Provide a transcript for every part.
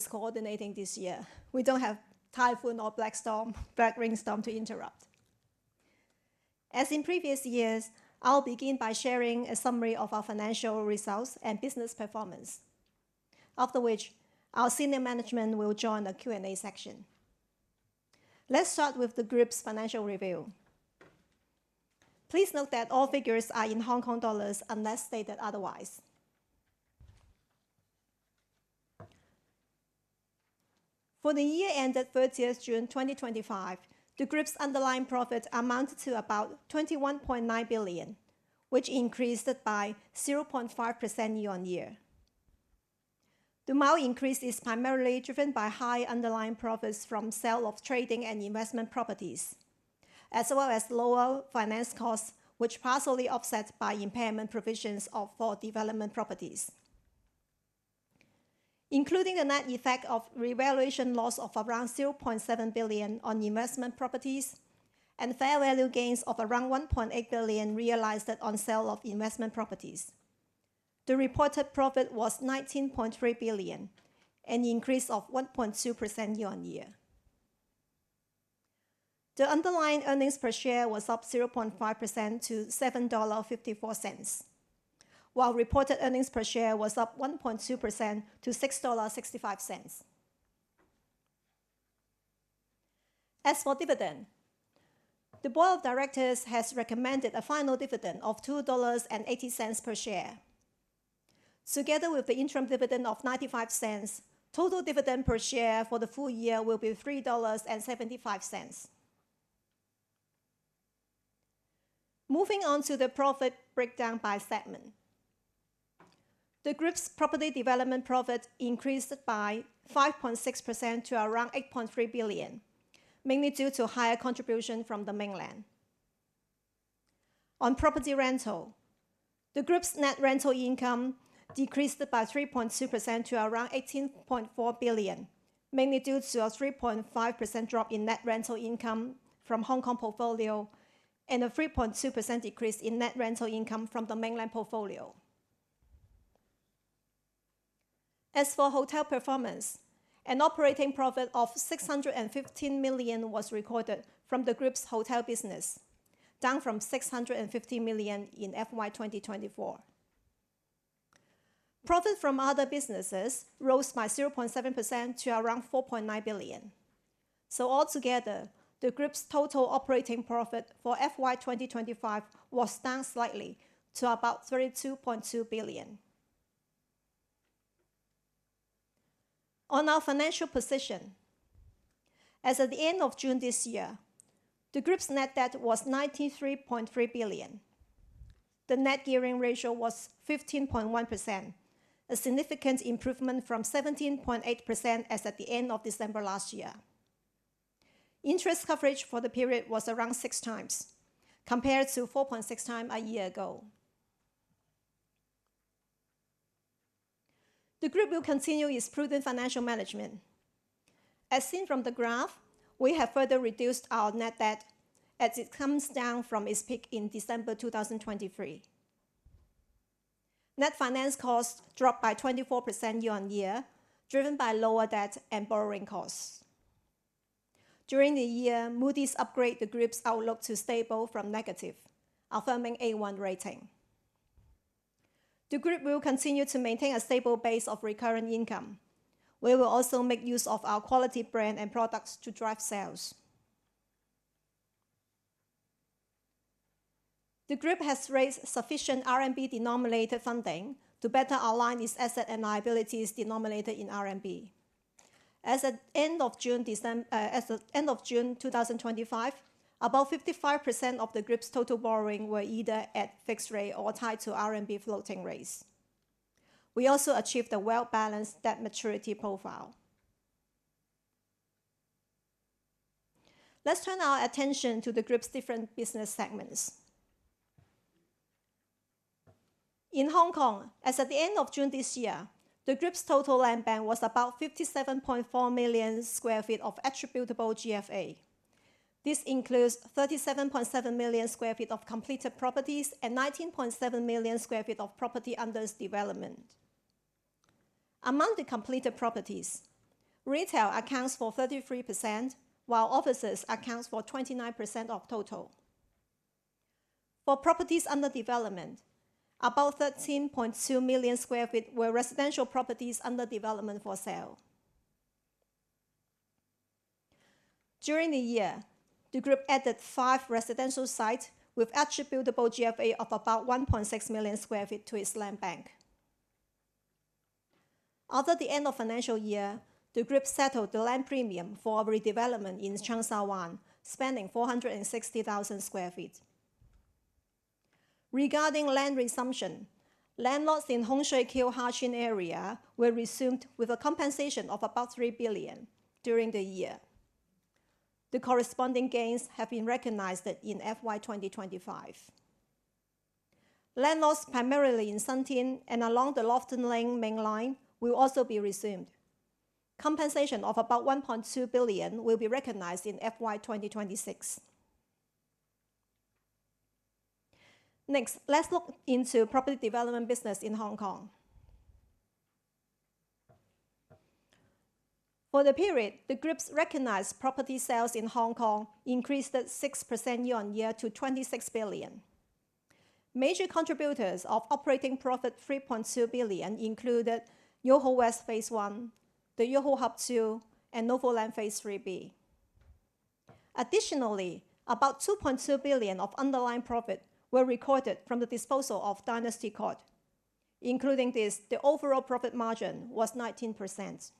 Is coordinating this year. We don't have typhoon or black storm black ring storm to interrupt. As in previous years, I'll begin by sharing a summary of our financial results and business performance. After which, our senior management will join the q and a section. Let's start with the group's financial review. Please note that all figures are in Hong Kong dollars unless stated otherwise. For the year ended thirtieth June twenty twenty five, the group's underlying profit amounted to about 21,900,000,000.0, which increased by 0.5% year on year. The amount increase is primarily driven by high underlying profits from sale of trading and investment properties as well as lower finance costs, which partially offset by impairment provisions of four development properties. Including a net effect of revaluation loss of around 700,000,000.0 on investment properties and fair value gains of around 1,800,000,000.0 realized on sale of investment properties. The reported profit was 19,300,000,000.0, an increase of 1.2% year on year. The underlying earnings per share was up 0.5% to 7.54 while reported earnings per share was up 1.2% to $6.65 As for dividend, the Board of Directors has recommended a final dividend of $2.80 per share. Together with the interim dividend of 95¢, total dividend per share for the full year will be 3.75 dollars. Moving on to the profit breakdown by segment. The Group's Property Development profit increased by 5.6% to around 8,300,000,000.0 mainly due to higher contribution from the Mainland. On Property Rental, the group's net rental income decreased by 3.2% to around 18,400,000,000.0, mainly due to a 3.5% drop in net rental income from Hong Kong portfolio and a 3.2% decrease in net rental income from the Mainland portfolio. As for hotel performance, an operating profit of $615,000,000 was recorded from the group's hotel business, down from $615,000,000 in FY 2024. Profit from other businesses rose by 0.7% to around 4,900,000,000.0. So altogether, the group's total operating profit for FY 2025 was down slightly to about 32,200,000,000.0. On our financial position, as of the June, the group's net debt was 93,300,000,000.0. The net gearing ratio was 15.1%, a significant improvement from 17.8% as at the December. Interest coverage for the period was around six times compared to 4.6 times a year ago. The Group will continue its prudent financial management. As seen from the graph, we have further reduced our net debt as it comes down from its peak in December 2023. Net finance costs dropped by 24% year on year driven by lower debt and borrowing costs. During the year, Moody's upgrade the Group's outlook to stable from negative, affirming A1 rating. The group will continue to maintain a stable base of recurring income. We will also make use of our quality brand and products to drive sales. The Group has raised sufficient RMB denominated funding to better align its asset and liabilities denominated in RMB. As of June 2025, about 55 of the Group's total borrowing were either at fixed rate or tied to RMB floating rates. We also achieved a well balanced debt maturity profile. Let's turn our attention to the Group's different business segments. In Hong Kong, as at the June, the Group's total land bank was about 57,400,000 square feet of attributable GFA. This includes 37,700,000 square feet of completed properties and 19,700,000 square feet of property under development. Among the completed properties, retail accounts for 33% while offices accounts for 29% of total. For properties under development, about 13,200,000 square feet were residential properties under development for sale. During the year, the Group added five residential sites with attributable GFA of about 1,600,000 square feet to its land bank. After the end of financial year, the group settled the land premium for our redevelopment in Changsha Wan, spending 460,000 square feet. Regarding land resumption, landlords in Hongshui, Keohachin area were resumed with a compensation of about 3,000,000,000 during the year. The corresponding gains have been recognized in FY 2025. Land loss primarily in Santeen and along the Lofton Lane Mainline will also be resumed. Compensation of about $1,200,000,000 will be recognized in FY 2026. Next, let's look into Property Development business in Hong Kong. For the period, the Group's recognized property sales in Hong Kong increased at 6% year on year to $26,000,000,000 Major contributors of operating profit $3,200,000,000 included Yoho West Phase 1, the Yoho Hub 2 and Novo Land Phase 3B. Additionally, about 2,200,000,000.0 of underlying profit were recorded from the disposal of Dynasty Court. Including this, the overall profit margin was 19%.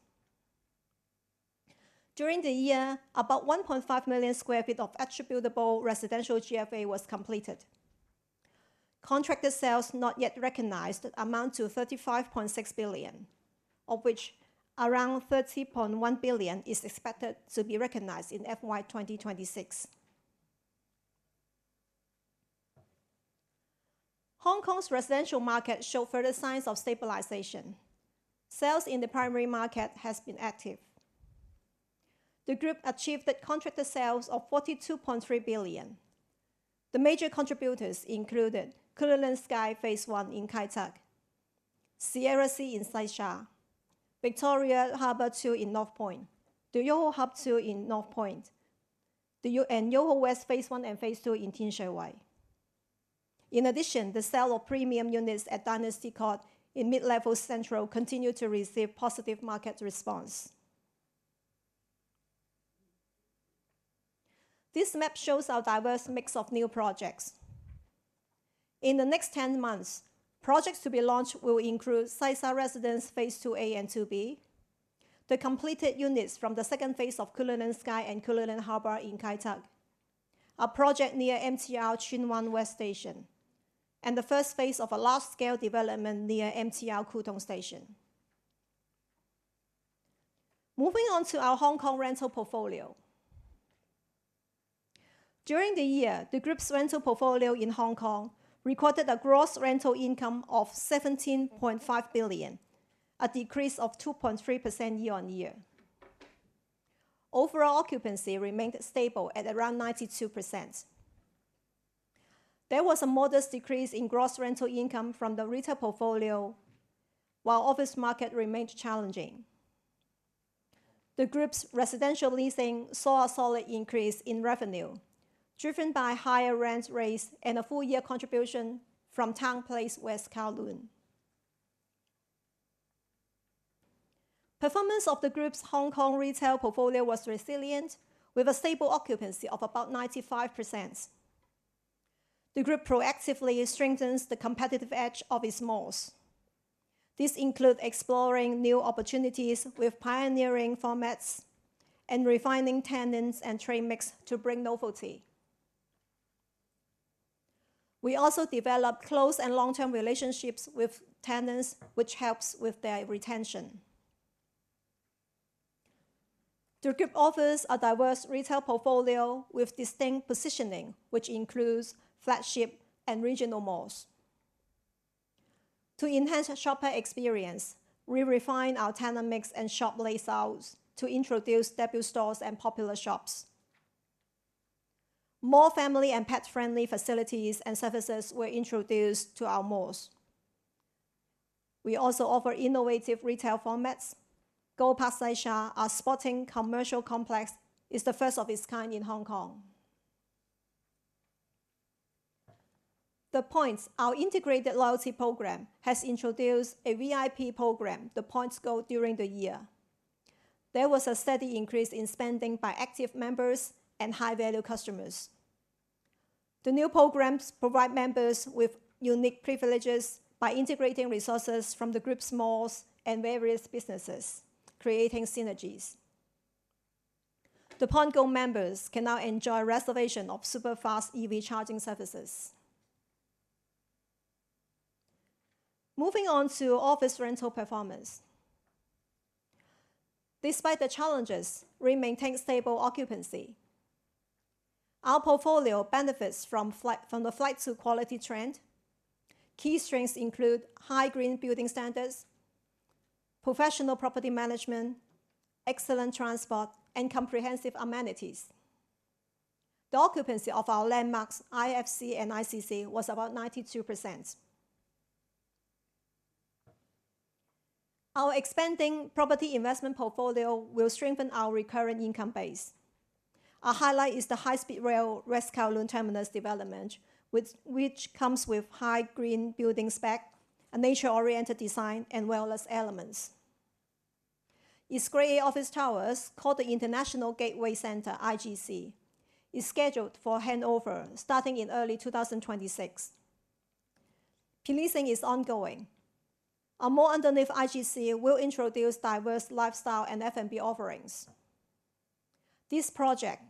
During the year, about 1,500,000 square feet of attributable residential GFA was completed. Contracted sales not yet recognized amount to 35,600,000,000.0, of which around 30,100,000,000.0 is expected to be recognized in FY 2026. Hong Kong's residential market show further signs of stabilization. Sales in the primary market has been active. The group achieved the contracted sales of 42,300,000,000.0. The major contributors included Kuala Lumpur Phase 1 in Kai Tak, Sierra Sea in Sidesha, Victoria Harbour 2 in North Point, Do You And You Ho West Phase 1 and Phase 2 in Tinshai Wai. In addition, the sale of premium units at Dynasty Court in Mid Level Central continue to receive positive market response. This map shows our diverse mix of new projects. In the next ten months, projects to be launched will include Saissa Residence Phase 2a And 2b, the completed units from the second phase of Kuala Lumpur Sky and Kuala Lumpur Harbour in Kai Tak, a project near MTR Chun Wan West Station and the first phase of a large scale development near MTR Kutong Station. Moving on to our Hong Kong rental portfolio. During the year, the group's rental portfolio in Hong Kong recorded a gross rental income of 500,000,000.0, a decrease of 2.3 percent year on year. Overall occupancy remained stable at around 92%. There was a modest decrease in gross rental income from the retail portfolio while office market remains challenging. The Group's residential leasing saw a solid increase in revenue driven by higher rents raised and a full year contribution from Towne Place West Kowloon. Performance of the Group's Hong Kong retail portfolio was resilient with a stable occupancy of about 95%. The Group proactively strengthens the competitive edge of its malls. This include exploring new opportunities with pioneering formats and refining tenants and train mix to bring novelty. We also develop close and long term relationships with tenants which helps with their retention. The group offers a diverse retail portfolio with distinct positioning which includes flagship and regional malls. To enhance shopper experience, we refine our tenant mix and shop layouts to introduce debut stores and popular shops. More family and pet friendly facilities and services were introduced to our malls. We also offer innovative retail formats. GoPass Leisha, our sporting commercial complex is the first of its kind in Hong Kong. The Points, our integrated loyalty program has introduced a VIP program, The Points Go during the year. There was a steady increase in spending by active members and high value customers. The new programs provide members with unique privileges by integrating resources from the group's malls and various businesses creating synergies. The Point Go members can now enjoy reservation of superfast EV charging services. Moving on to Office Rental performance. Despite the challenges, we maintain stable occupancy. Our portfolio benefits from flight from the flight to quality trend. Key strengths include high green building standards, professional property management, excellent transport and comprehensive amenities. The occupancy of our landmarks, IFC and ICC was about 92%. Our expanding property investment portfolio will strengthen our recurring income base. Our highlight is the High Speed Rail West Kowloon Terminus development, which comes with high green building spec, a nature oriented design and wellness elements. It's Grey office towers called the International Gateway Centre IGC is scheduled for handover starting in early two thousand twenty six. Policing is ongoing. A mall underneath IGC will introduce diverse lifestyle and F and B offerings. This project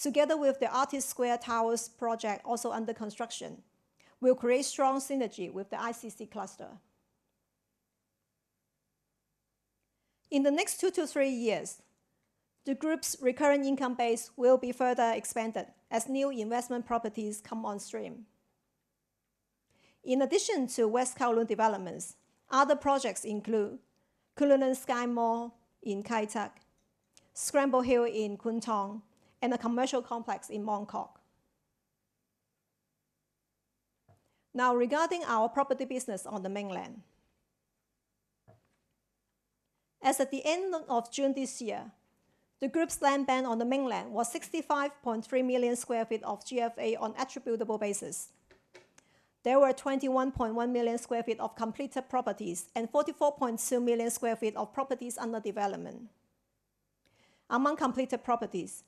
together with the Artist Square Towers project also under construction will create strong synergy with the ICC Cluster. In the next two to three years, the Group's recurring income base will be further expanded as new investment properties come on stream. In addition to West Kowloon developments, other projects include Kuala Lunen Sky Mall in Kai Tak, Scramble Hill in Kuntong and a commercial complex in Mong Kok. Now regarding our property business on The Mainland. As of the June, the Group's land bank on The Mainland was 65,300,000 square feet of GFA on attributable basis. There were 21,100,000 square feet of completed properties and 44,200,000 square feet of properties under development. Among completed properties,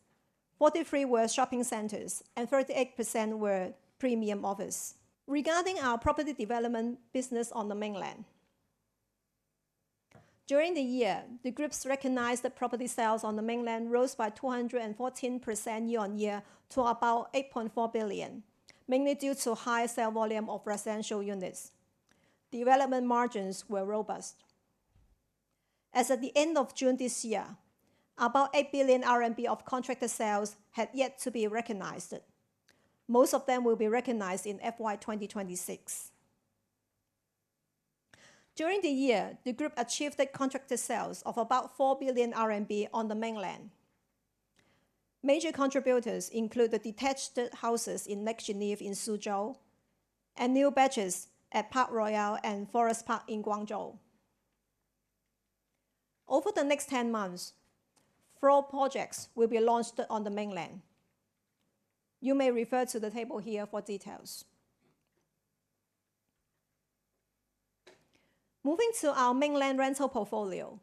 43 were shopping centers and 38% were premium office. Regarding our property development business on The Mainland. During the year, the Group's recognized the property sales on The Mainland rose by 214% year on year to about 8,400,000,000.0 mainly due to higher sale volume of residential units. Development margins were robust. As of the June year, about 8 billion RMB of contracted sales had yet to be recognized. Most of them will be recognized in FY 2026. During the year, the group achieved the contracted sales of about 4,000,000,000 RMB on the Mainland. Major contributors include the detached houses in Lake Geneva in Suzhou and new batches at Park Royal and Forest Park in Guangzhou. Over the next ten months, four projects will be launched on the Mainland. You may refer to the table here for details. Moving to our Mainland rental portfolio.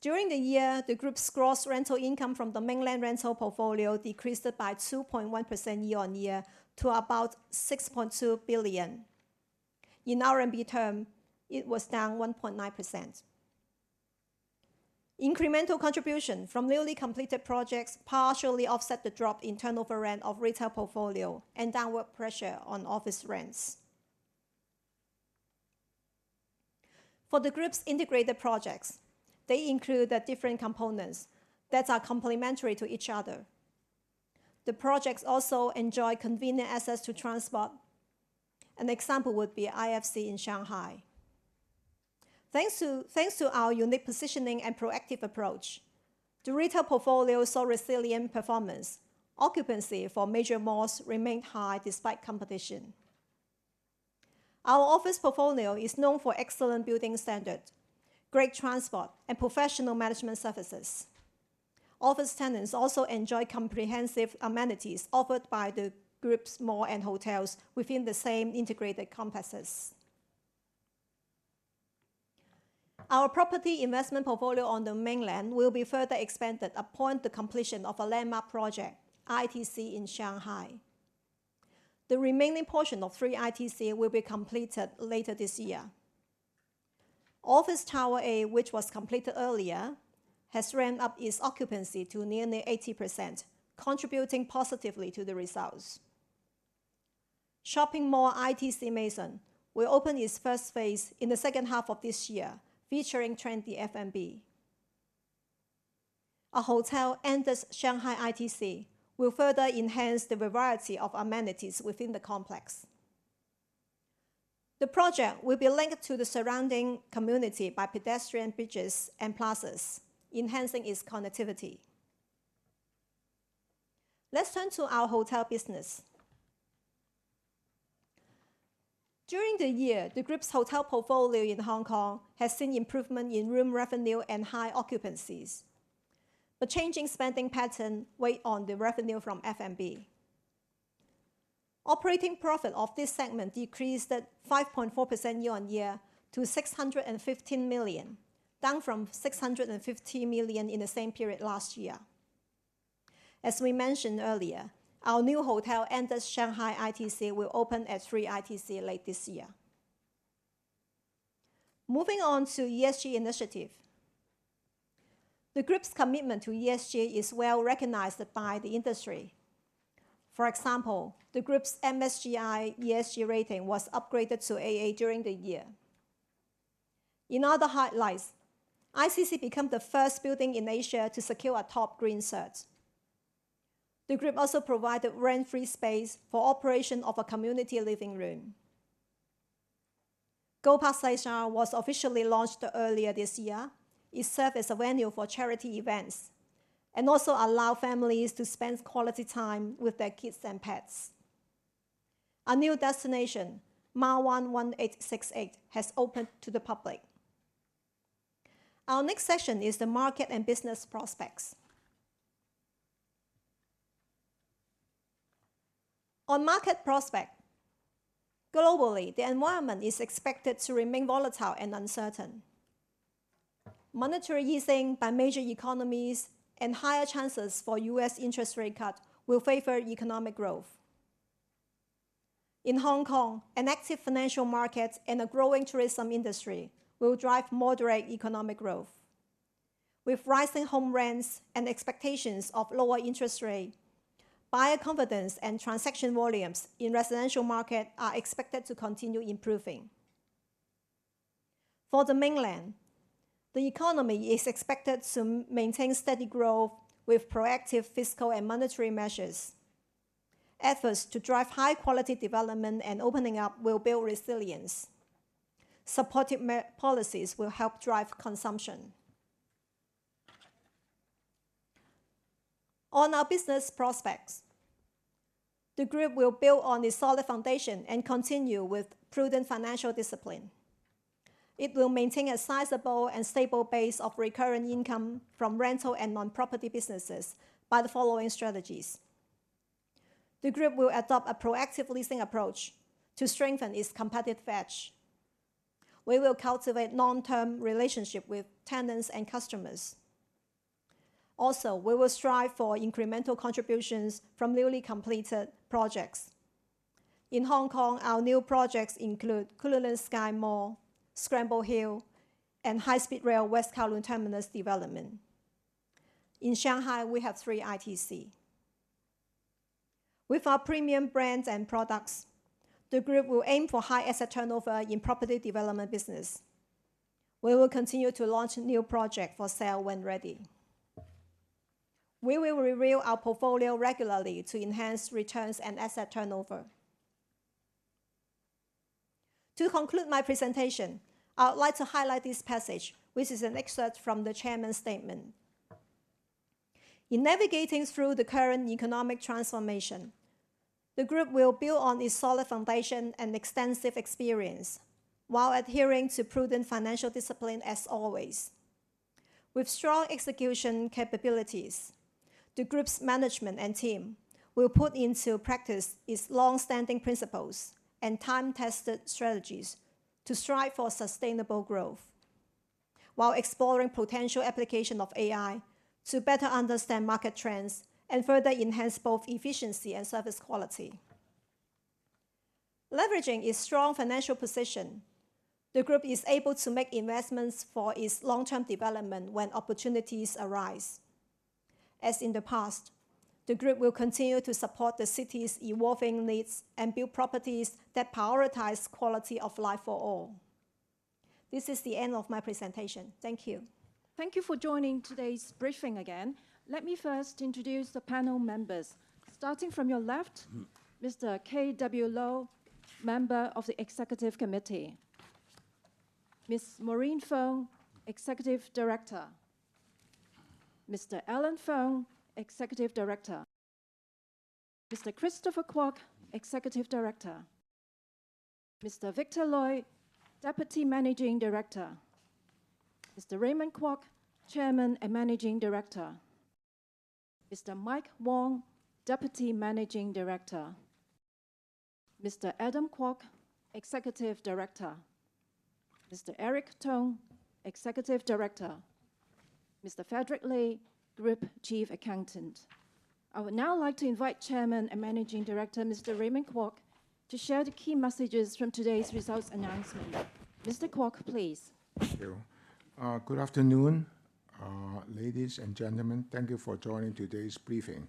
During the year, the Group's gross rental income from the Mainland rental portfolio decreased by 2.1% year on year to about 6,200,000,000.0. In RMB terms, it was down 1.9%. Incremental contribution from newly completed projects partially offset the drop in turnover rent of retail portfolio and downward pressure on office rents. For the group's integrated projects, they include the different components that are complementary to each other. The projects also enjoy convenient access to transport. An example would be IFC in Shanghai. Thanks to our unique positioning and proactive approach. The retail portfolio saw resilient performance. Occupancy for major malls remained high despite competition. Our office portfolio is known for excellent building standard, great transport and professional management services. Office tenants also enjoy comprehensive amenities offered by the group's mall and hotels within the same integrated complexes. Our property investment portfolio on the Mainland will be further expanded upon the completion of a landmark project ITC in Shanghai. The remaining portion of three ITC will be completed later this year. Office Tower A, which was completed earlier, has ramped up its occupancy to nearly 80% contributing positively to the results. Shopping mall ITC Mason will open its first phase in the second half of this year featuring trendy FNB. A hotel and this Shanghai ITC will further enhance the variety of amenities within the complex. The project will be linked to the surrounding community by pedestrian bridges and plazas enhancing its connectivity. Let's turn to our hotel business. During the year, the group's hotel portfolio in Hong Kong has seen improvement in room revenue and high occupancies. The changing spending pattern weighed on the revenue from F and B. Operating profit of this segment decreased at 5.4% year on year to $615,000,000, down from GBP $650,000,000 in the same period last year. As we mentioned earlier, our new hotel enters Shanghai ITC will open at three ITC late this year. Moving on to ESG initiative. The Group's commitment to ESG is well recognized by the industry. For example, the Group's MSGI ESG rating was upgraded to AA during the year. In other highlights, ICC become the first building in Asia to secure a top green search. The group also provided rent free space for operation of a community living room. GoPak Saishan was officially launched earlier this year. It served as a venue for charity events and also allow families to spend quality time with their kids and pets. A new destination, Mile 11868 has opened to the public. Our next session is the market and business prospects. On market prospect, globally, the environment is expected to remain volatile and uncertain. Monetary easing by major economies and higher chances for US interest rate cut will favor economic growth. In Hong Kong, an active financial markets and a growing tourism industry will drive moderate economic growth. With rising home rents and expectations of lower interest rate, buyer confidence and transaction volumes in residential market are expected to continue improving. For The Mainland, the economy is expected to maintain steady growth with proactive fiscal and monetary measures. Efforts to drive high quality development and opening up will build resilience. Supportive policies will help drive consumption. On our business prospects, the Group will build on the solid foundation and continue with prudent financial discipline. It will maintain a sizable and stable base of recurring income from rental and non property businesses by the following strategies. The Group will adopt a proactive leasing approach to strengthen its competitive edge. We will cultivate long term relationship with tenants and customers. Also, we will strive for incremental contributions from newly completed projects. In Hong Kong, our new projects include Kuala Lumpur Sky Mall, Scramble Hill and High Speed Rail West Kowloon Terminus development. In Shanghai, we have three ITC. With our premium brands and products, the group will aim for high asset turnover in Property Development business. We will continue to launch new project for sale when ready. We will review our portfolio regularly to enhance returns and asset turnover. To conclude my presentation, I would like to highlight this passage, which is an excerpt from the Chairman's statement. In navigating through the current economic transformation, the group will build on its solid foundation and extensive experience while adhering to prudent financial discipline as always. With strong execution capabilities, the group's management and team will put into practice is long standing principles and time tested strategies to strive for sustainable growth while exploring potential application of AI to better understand market trends and further enhance both efficiency and service quality. Leveraging its strong financial position, the Group is able to make investments for its long term development when opportunities arise. As in the past, the Group will continue to support the city's evolving needs and build properties that prioritize quality of life for all. This is the end of my presentation. Thank you. Thank you for joining today's briefing again. Let me first introduce the panel members. Starting from your left, mister k w Lowe, member of the executive committee. Ms. Maureen Feng, Executive Director. Mr. Alan Feng, Executive Director. Mr. Christopher Kwok, Executive Director. Mr. Victor Loy, Deputy Managing Director Mr. Raymond Kwok, Chairman and Managing Director Mr. Mike Wong, Deputy Managing Director Mr. Adam Kwok, Executive Director Mr. Eric Tung, Executive Director Mr. Frederick Lee, Group Chief Accountant. I would now like to invite Chairman and Managing Director, Mr. Raymond Kwok, to share the key messages from today's results announcement. Mr. Kwok, please. Thank you. Good afternoon, ladies and gentlemen. Thank you for joining today's briefing.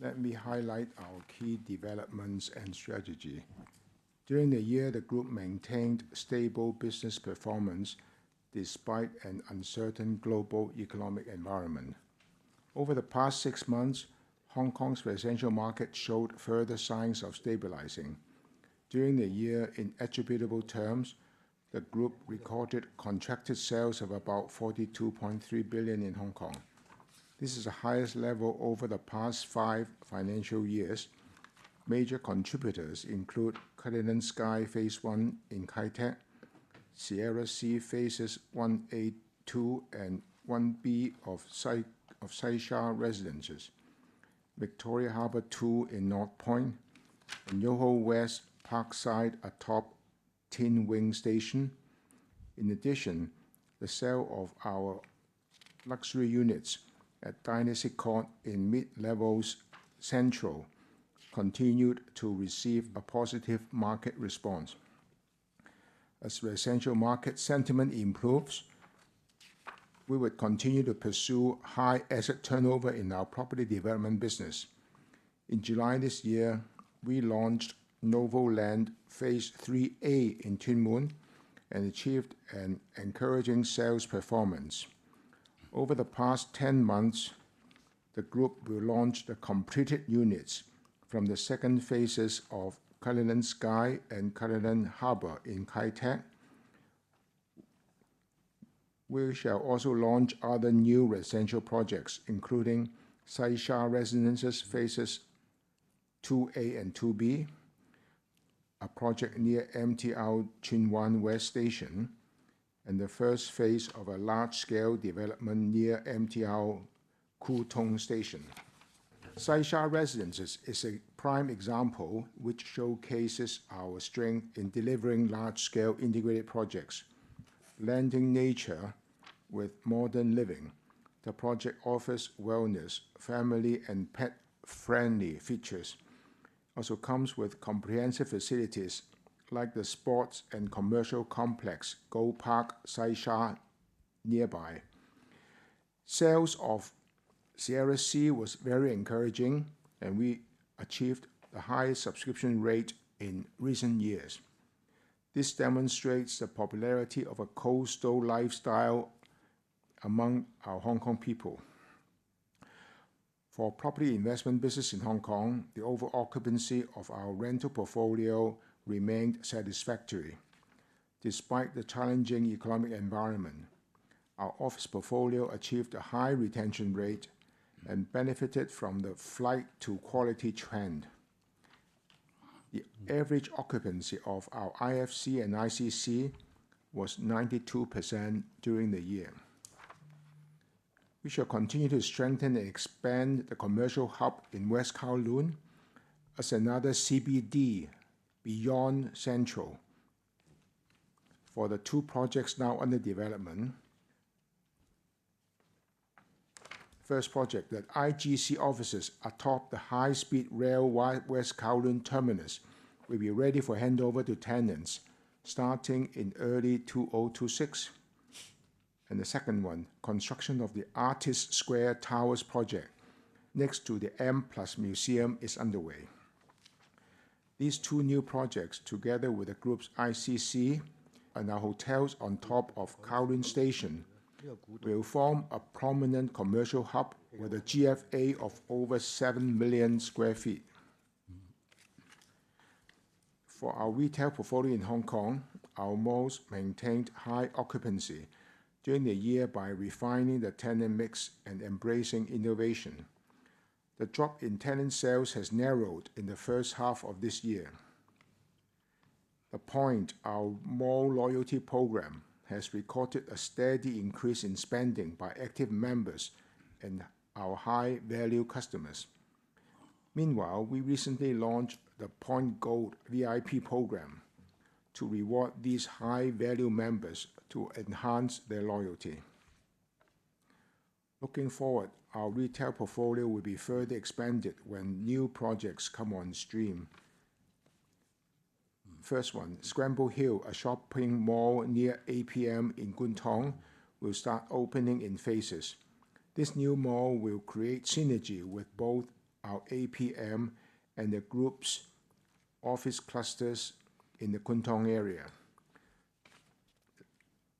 Let me highlight our key developments and strategy. During the year, the group maintained stable business performance despite an uncertain global economic environment. Over the past six months, Hong Kong's residential market showed further signs of stabilizing. During the year in attributable terms, the group recorded contracted sales of about billion in HKD. This is the highest level over the past five financial years. Major contributors include Kadinan Sky phase one in Kitek, Sierra Sea phases one a two and one b of site of Seysha Residences, Victoria Harbor 2 in North Point, and Yoho West Parkside atop Tin Wing Station. In addition, the sale of our luxury units at Dynasty Court in Mid Levels Central continued to receive a positive market response. As residential market sentiment improves, we would continue to pursue high asset turnover in our property development business. In July, we launched Novo Land Phase 3A in Tin Moon and achieved an encouraging sales performance. Over the past ten months, the group will launch the completed units from the second phases of Kuala Lumpur Sky and Kuala Lumpur Harbor in Kaietek. We shall also launch other new residential projects including Sai Shah Residences Phases 2a and 2b, a project near MTR Chinwan West Station, and the first phase of a large scale development near MTR Kutong Station. Sideshaw Residences is a prime example which showcases our strength in delivering large scale integrated projects, landing nature with modern living. The project offers wellness, family and pet friendly features. Also comes with comprehensive facilities like the sports and commercial complex Gold Park, Sai Shah nearby. Sales of Sierra Sea was very encouraging and we achieved the highest subscription rate in recent years. This demonstrates the popularity of a coastal lifestyle among our Hong Kong people. For property investment business in Hong Kong, the overall occupancy of our rental portfolio remained satisfactory. Despite the challenging economic environment, our office portfolio achieved a high retention rate and benefited from the flight to quality trend. The average occupancy of our IFC and ICC was 92% during the year. We shall continue to strengthen and expand the commercial hub in West Kowloon as another CBD beyond Central for the two projects now under development. First project that IGC offices atop the high speed rail wide West Cowan Terminus will be ready for handover to tenants starting in early twenty twenty six. And the second one, construction of the Artist Square Towers project next to the M plus Museum is underway. These two new projects together with the group's ICC and our hotels on top of Kowrin Station will form a prominent commercial hub with a GFA of over 7,000,000 square feet. For our retail portfolio in Hong Kong, our malls maintained high occupancy during the year by refining the tenant mix and embracing innovation. The drop in tenant sales has narrowed in the first half of this year. The Point, our mall loyalty program has recorded a steady increase in spending by active members and our high value customers. Meanwhile, we recently launched the Point Gold VIP program to reward these high value members to enhance their loyalty. Looking forward, our retail portfolio will be further expanded when new projects come on stream. First one, Scramble Hill, a shopping mall near APM in Kuntong will start opening in phases. This new mall will create synergy with both our APM and the group's office clusters in the Kuntong area.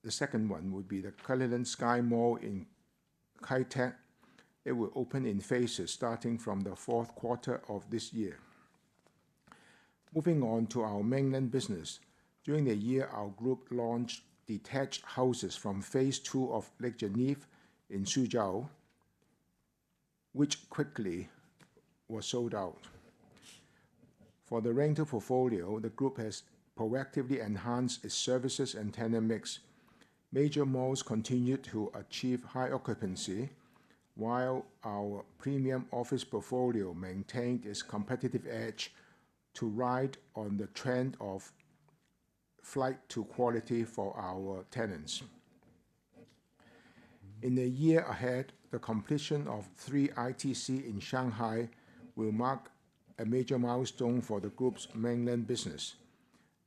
The second one would be the Kuala Lumpur Sky Mall in Kitek. It will open in phases starting from the fourth quarter of this year. Moving on to our Mainland business. During the year, our group launched detached houses from Phase two of Lake Geneva in Suzhou, which quickly was sold out. For the rental portfolio, the group has proactively enhanced its services and tenant mix. Major malls continued to achieve high occupancy, while our premium office portfolio maintained its competitive edge to ride on the trend of flight to quality for our tenants. In the year ahead, the completion of three ITC in Shanghai will mark a major milestone for the group's Mainland business.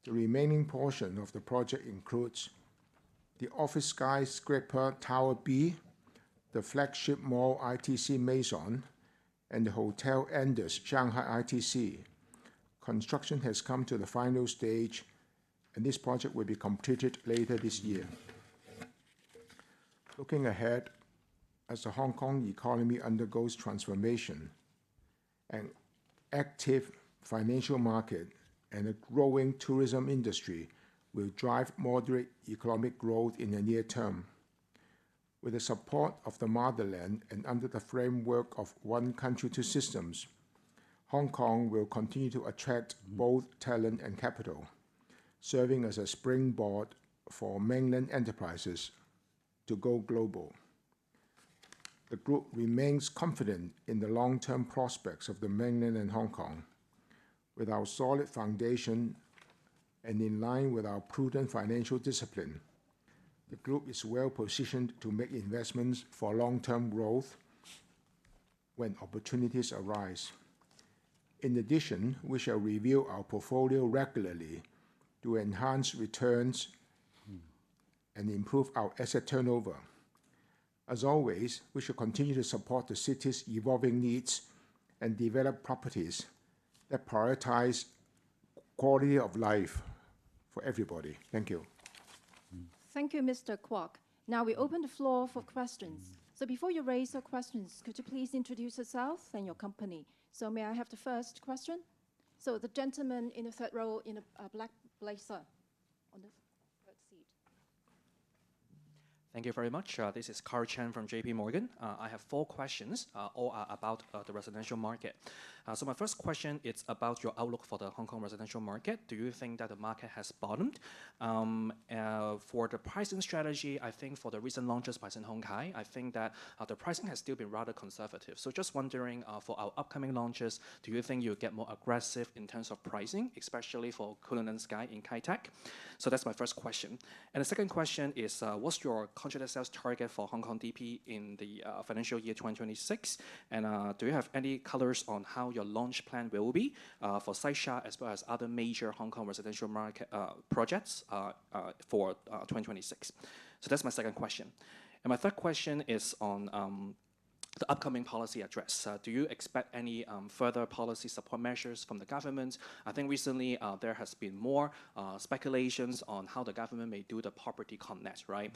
The remaining portion of the project includes the office skyscraper Tower B, the flagship mall ITC Maison and the Hotel Enders Shanghai ITC. Construction has come to the final stage and this project will be completed later this year. Looking ahead, as the Hong Kong economy undergoes transformation and active financial market and a growing tourism industry will drive moderate economic growth in the near term. With the support of the motherland and under the framework of one country to systems, Hong Kong will continue to attract both talent and capital, serving as a springboard for Mainland enterprises to go global. The group remains confident in the long prospects of the Mainland and Hong Kong. With our solid foundation and in line with our prudent financial discipline, the group is well positioned to make investments for long term growth when opportunities arise. In addition, we shall review our portfolio regularly to enhance returns and improve our asset turnover. As always, we should continue to support the city's evolving needs and develop properties that prioritize quality of life for everybody. Thank you. Thank you, Mr. Kwok. Now we open the floor for questions. So before you raise your questions, could you please introduce yourself and your company? So may I have the first question? So the gentleman in the third row in a black blazer on the third seat. Thank you very much. This is Karl Chen from JPMorgan. I have four questions about the residential market. So my first question, it's about your outlook for the Hong Kong residential market. Do you think that the market has bottomed? For the pricing strategy, I think for the recent launches by Sun Hong Kong, think that the pricing has still been rather conservative. So just wondering, for our upcoming launches, do you think you'll get more aggressive in terms of pricing, especially for Koolen and Sky in Kitech? So that's my first question. And the second question is, what's your contract sales target for Hong Kong DP in the financial year 2026? And, do you have any colors on how your launch plan will be, for Sideshot as well as other major Hong Kong residential market, projects for 2026? So that's my second question. And my third question is on the upcoming policy address. Do you expect any further policy support measures from the government? I think recently there has been more speculations on how the government may do the property con next, right?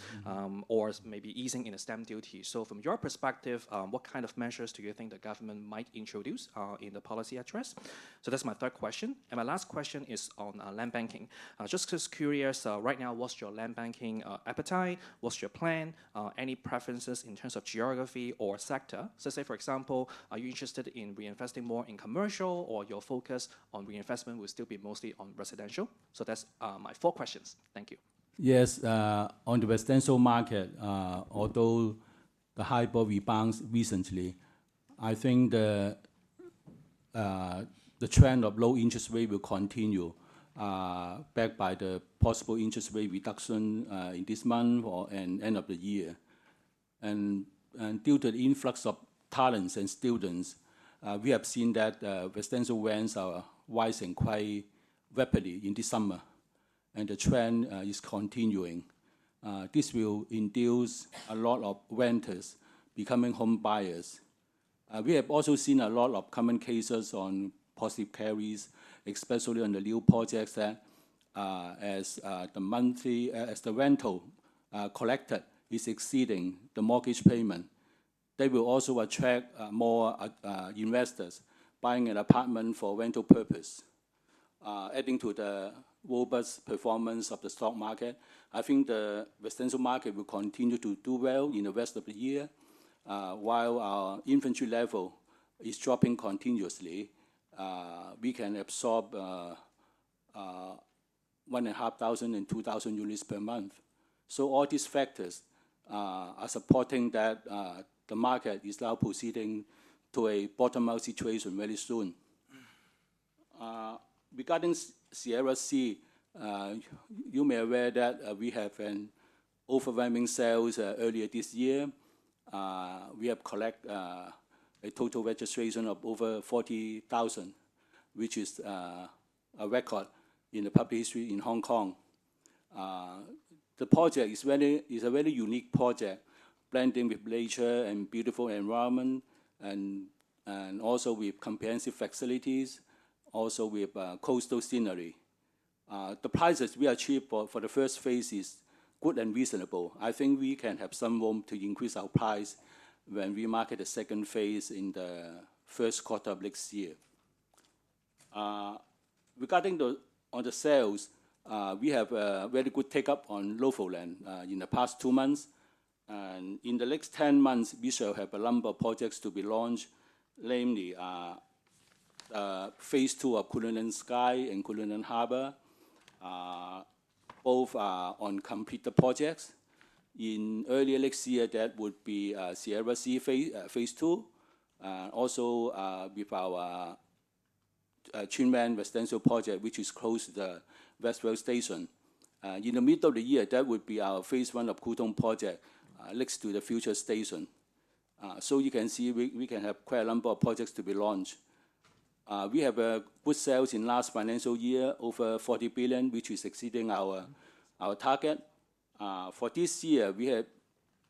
Or maybe easing in a stamp duty. So from your perspective, what kind of measures do you think the government might introduce, in the policy address? So that's my third question. And my last question is on land banking. Just curious, right now, what's your land banking appetite? What's your plan? Any preferences in terms of geography or sector? So say for example, are you interested in reinvesting more in commercial or your focus on reinvestment will still be mostly on residential? So that's my four questions. Thank you. Yes. On the residential market, although the hyper rebounds recently, I think the trend of low interest rate will continue backed by the possible interest rate reduction in this month or end of the year. And due to the influx of talents and students, we have seen that residential rents are wise and quite rapidly in the summer and the trend is continuing. This will induce a lot of renters becoming home buyers. We have also seen a lot of common cases on positive carries, especially on the new projects that as the monthly as the rental collected is exceeding the mortgage payment. They will also attract more investors buying an apartment for rental purpose. Adding to the robust performance of the stock market, I think the residential market will continue to do well in the rest of the year, while our inventory level is dropping continuously. We can absorb 1,502 units per month. So all these factors are supporting that the market is now proceeding to a bottom up situation very soon. Regarding Sierra Sea, you may aware that we have an overwhelming sales earlier this year. We have collect a total registration of over 40,000, which is a record in the public history in Hong Kong. The project is a very unique project, blending with leisure and beautiful environment and also we have comprehensive facilities, also we have coastal scenery. The prices we achieved for the first phase is good and reasonable. I think we can have some room to increase our price when we market the second phase in the first quarter of next year. Regarding on the sales, we have a very good take up on local land in the past two months. And in the next ten months, we shall have a number of projects to be launched namely Phase two of Kulin and Sky and Kulin and Harbor, both on complete projects. In earlier next year that would be Sierra Sea Phase two, also with our Kinmen residential project, which is close to the West Rail Station. In the middle of the year, that would be our Phase one of Kutong project, next to the future station. So you can see we can have quite a number of projects to be launched. We have good sales in last financial year over 40 billion, which is exceeding our target. For this year,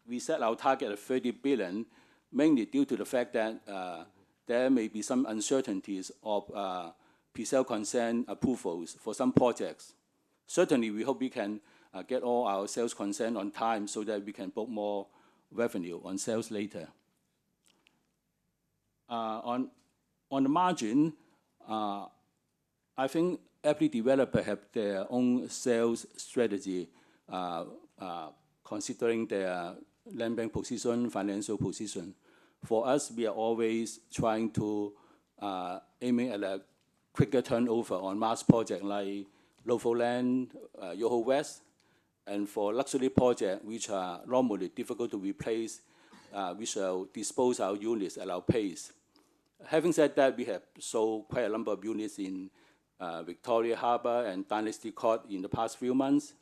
we set our target of 30 billion mainly due to the fact that there may be some uncertainties of P cell consent approvals for some projects. Certainly, we hope we can get all our sales concern on time so that we can book more revenue on sales later. On margin, I think every developer have their own sales strategy considering their lending position, financial position. For us, we are always trying to aiming at a quicker turnover on mass project like local land, Yoho West and for luxury project, which are normally difficult to replace, we shall dispose our units at our pace. Having said that, we have sold quite a number of units in Victoria Harbor and Dynasty Court in the past few months.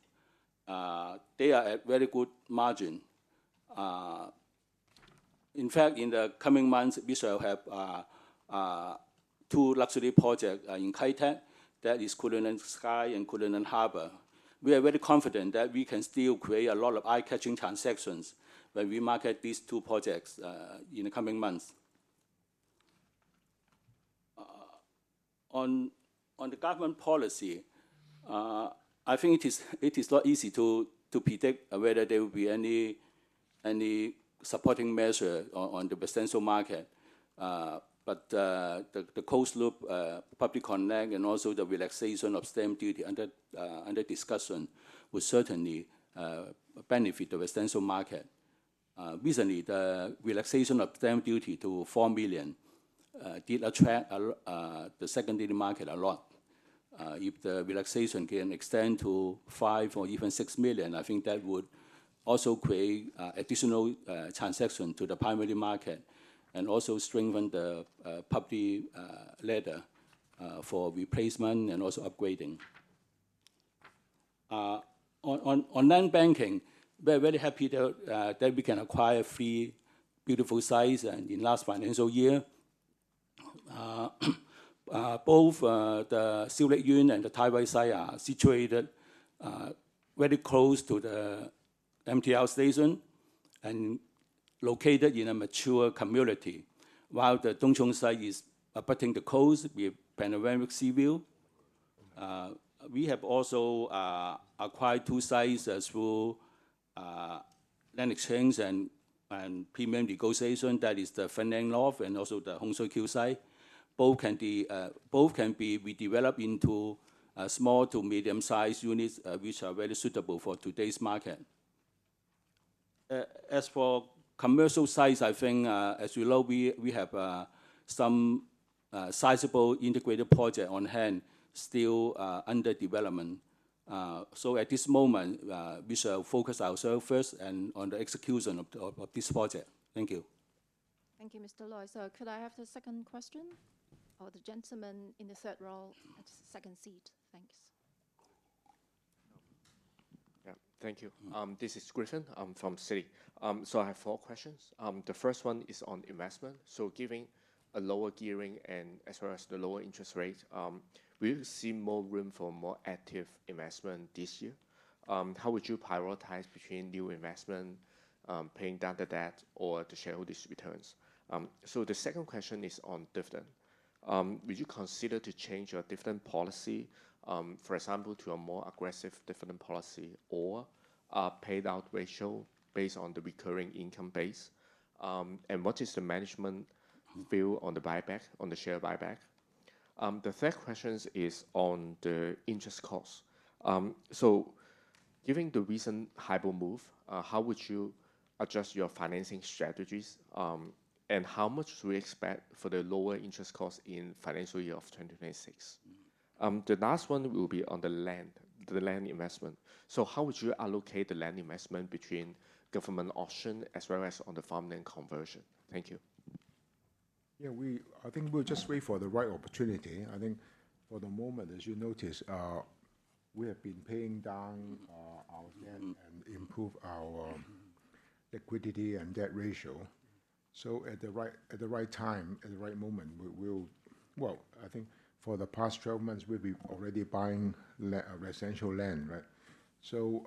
They are at very good margin. In fact, the coming months, we shall have two luxury projects in Kaietek that is Kulin and Sky and Kulin and Harbor. We are very confident that we can still create a lot of eye catching transactions when we market these two projects in the coming months. On the government policy, I think it is not easy to predict whether there will be any supporting measure on the potential market. But the closed loop public connect and also the relaxation of stamp duty under discussion will certainly benefit the residential market. Recently, the relaxation of stamp duty to $4,000,000 did attract the secondary market a lot. If the relaxation can extend to $5,000,000 or even $6,000,000 I think that would also create additional transaction to the primary market and also strengthen the public letter for replacement and also upgrading. On land banking, we're very happy that we can acquire three beautiful sites in last financial year. Both Silhouette Union and the Taiwan side are situated very close to the MTL station and located in a mature community, while the Dongchong side is putting the coast with Panorama Seaview. We have also acquired two sites through land exchange and premium negotiation that is the Feng Neng Loft and also the Hong Seo Q site. Both can be redevelop into small to medium sized units, which are very suitable for today's market. As for commercial size, I think as you know, we have some sizable integrated project on hand still under development. So at this moment, we shall focus our service and on the execution of this project. Thank you. Thank you, Mr. Loy. So could I have the second question or the gentleman in the third row at the second seat? Thanks. Yes. Thank you. This is Christian from Citi. So I have four questions. The first one is on investment. So giving a lower gearing and as far as the lower interest rates, we will see more room for more active investment this year. How would you prioritize between new investment, paying down the debt or the shareholders returns? So the second question is on dividend. Would you consider to change your dividend policy, for example, to a more aggressive dividend policy or paid out ratio based on the recurring income base? And what is the management view on the buyback, on the share buyback? The third question is on the interest cost. So given the recent Hypo move, how would you adjust your financing strategies? And how much do we expect for the lower interest cost in financial year of 2026? The last one will be on the land, the land investment. So how would you allocate the land investment between government option as well as on the farmland conversion? Yes. We I think we'll just wait for the right opportunity. I think for the moment, as you noticed, we have been paying down our debt and improve our liquidity and debt ratio. So at the right time, at the right moment, we'll well, I think for the past twelve months, we'll be already buying residential land, right? So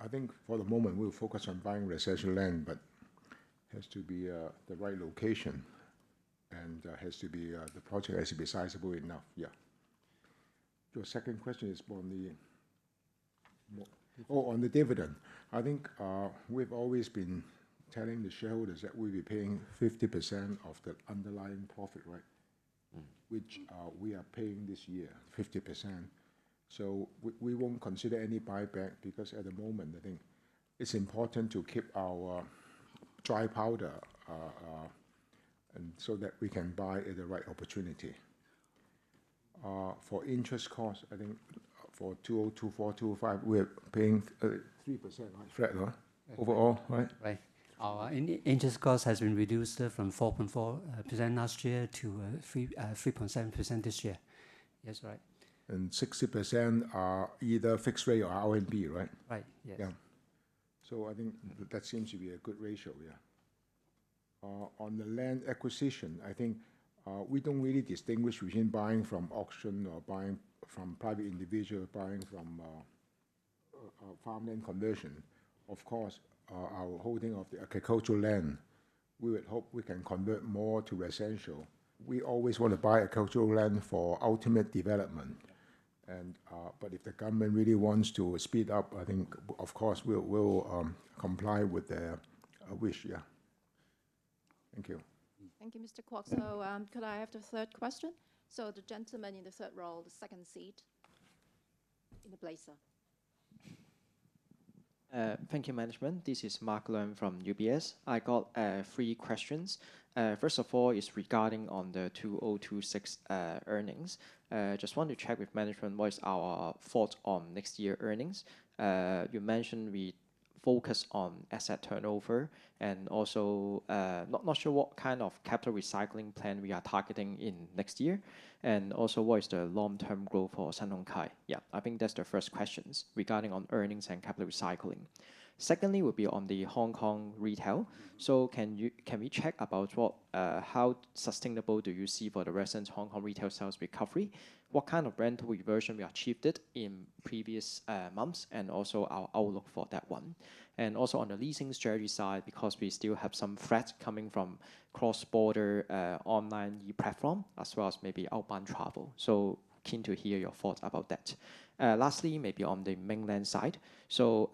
I think for the moment, we'll focus on buying residential land, but has to be the right location and has to be the project has to be sizable enough, yes. Your second question is on the dividend. I think we've always been telling the shareholders that we'll be paying 50% of the underlying profit, right, which we are paying this year, 50%. So we won't consider any buyback because at the moment, I think it's important to keep our dry powder and so that we can buy at the right opportunity. For interest cost, I think for $2.00 $2.04 $2.00 5, we are paying 3% overall, right? Right. Interest cost has been reduced from 4.4% last year to 3.7% this year. That's right. And 60% are either fixed rate or R and D, right? Right, yes. So I think that seems to be a good ratio, yes. On the land acquisition, I think we don't really distinguish between buying from auction or buying from private individual or buying from farming conversion. Of course, holding of the agricultural land, we would hope we can convert more to residential. We always wanna buy agricultural land for ultimate development. And but if the government really wants to speed up, think, of course, we'll we'll comply with their wish. Yeah. Thank you. Thank you, mister Kwok. So could I have the third question? So the gentleman in the third row, the second seat in the blazer. Thank you, management. This is Mark Leung from UBS. I got three questions. First of all, is regarding on the 2026 earnings. Just want to check with management what is our thoughts on next year earnings. You mentioned we focus on asset turnover and also not sure what kind of capital recycling plan we are targeting in next year. And also what is the long term growth for Sennong Kai? Yes, I think that's the first question regarding on earnings and capital recycling. Secondly, will be on the Hong Kong retail. So can we check about what how sustainable do you see for the recent Hong Kong retail sales recovery? What kind of rental reversion we achieved it in previous months and also our outlook for that one? And also on the leasing strategy side, because we still have some threats coming from cross border online e platform as well as maybe outbound travel. So keen to hear your thoughts about that. Lastly, maybe on the Mainland side. So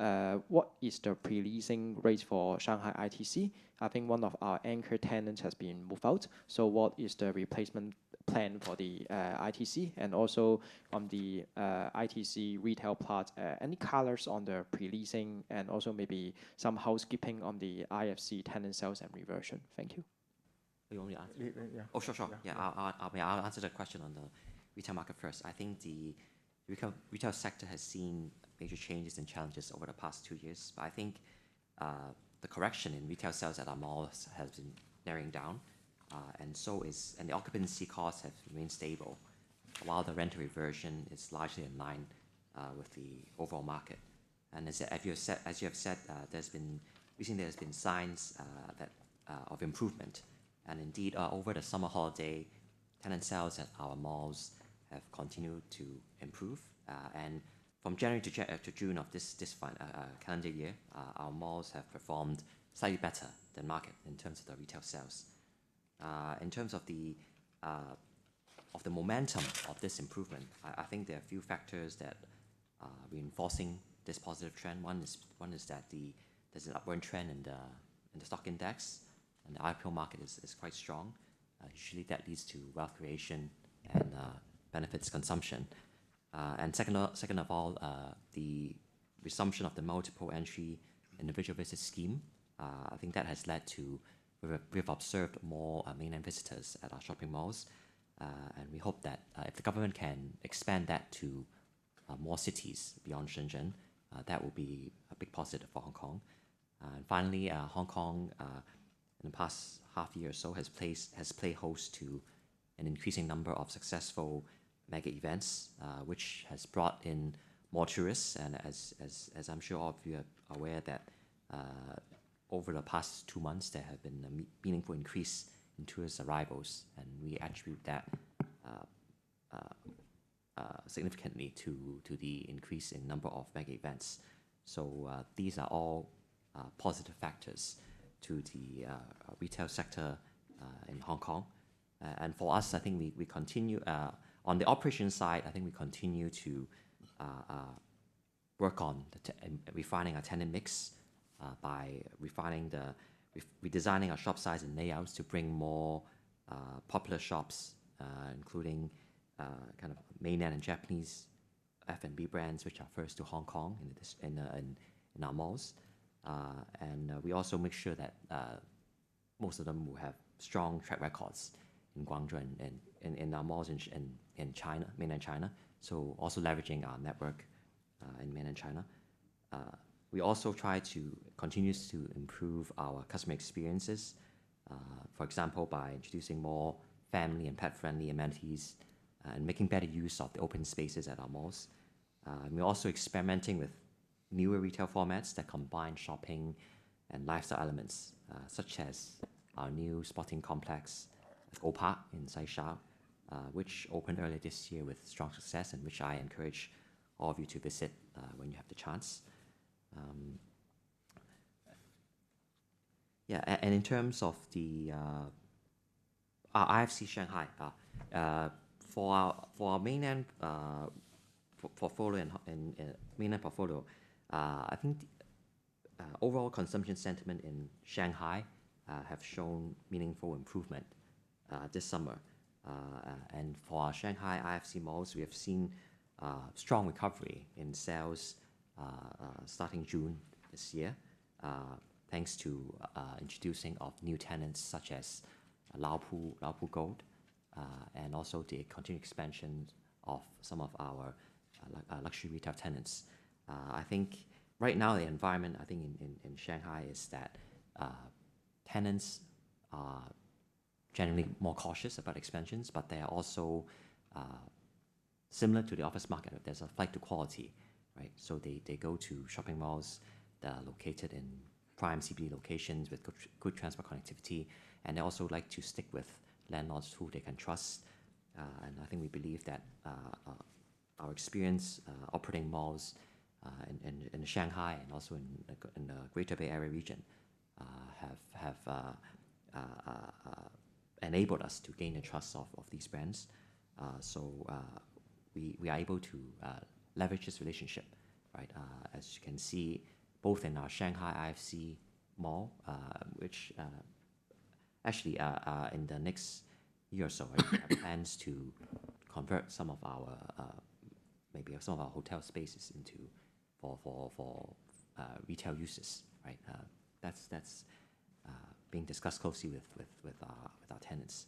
what is the preleasing rates for Shanghai ITC? I think one of our anchor tenants has been moved out. So what is the replacement plan for the ITC? And also on the ITC retail part, any colors on the preleasing and also maybe some housekeeping on the IFC tenant sales and reversion? Thank you. The only answer Yes. I'll answer that question on the retail market first. I think the retail sector has seen major changes and challenges over the past two years. But I think the correction in retail sales at our malls has been narrowing down. And so is and the occupancy costs have remained stable, while the rent reversion is largely in line with the overall market. And as you have said, there's been we think there's been signs of improvement. And indeed, over the summer holiday, tenant sales at our malls have continued to improve. And from January to June of this calendar year, our malls have performed slightly better than market in terms of the retail sales. In terms of the momentum of this improvement, I think there are a few factors that are reinforcing this positive trend. One is that the there's an upward trend in the stock index. The IPO market is quite strong. Usually, that leads to wealth creation and benefits consumption. And second of all, the resumption of the multiple entry individual business scheme, I think that has led to we've observed more Mainland visitors at our shopping malls, and we hope that if the government can expand that to more cities beyond Shenzhen, that will be a big positive for Hong Kong. And finally, Hong Kong in the past half year or so has placed has played host to an increasing number of successful mega events, which has brought in more tourists. As I'm sure all of you are aware that over the past two months, there have been a meaningful increase in tourist arrivals, and we attribute that significantly to the increase in number of mega events. So these are all positive factors to the retail sector in Hong Kong. And for us, I think we continue on the operations side, I think we continue to work on refining our tenant mix by refining the redesigning our shop size and layouts to bring more popular shops, including kind of Mainland and Japanese F and B brands, which are first to Hong Kong and in our malls. And we also make sure that most of them will have strong track records in Guangdong and in our malls in China Mainland China, so also leveraging our network in Mainland China. We also try to continue to improve our customer experiences, for example, by introducing more family and pet friendly amenities and making better use of the open spaces at our malls. We're also experimenting with newer retail formats that combine shopping and lifestyle elements, such as our new spotting complex Opak in Saixa, which opened earlier this year with strong success and which I encourage all of you to visit when you have the chance. Yes. And in terms of the IFC Shanghai, our Mainland portfolio, think overall consumption sentiment in Shanghai have shown meaningful improvement this summer. And for our Shanghai IFC malls, we have seen strong recovery in sales starting June year, thanks to introducing of new tenants such as Laopo Gold and also the continued expansion of some of our luxury retail tenants. I think right now, the environment, I think, in Shanghai is that tenants are generally more cautious about expansions, but they are also similar to the office market. There's a flight to quality, right? So they go to shopping malls that are located in prime CBD locations with good transport connectivity, and they also like to stick with landlords who they can trust. And I think we believe that our experience operating malls in Shanghai and also in the Greater Bay Area region have enabled us to gain the trust of these brands. So we are able to leverage this relationship, right, as you can see, both in our Shanghai IFC Mall, which actually, in the next year or so, we have plans to convert some of our maybe some of our hotel spaces into for retail uses, right? That's being discussed closely with our tenants.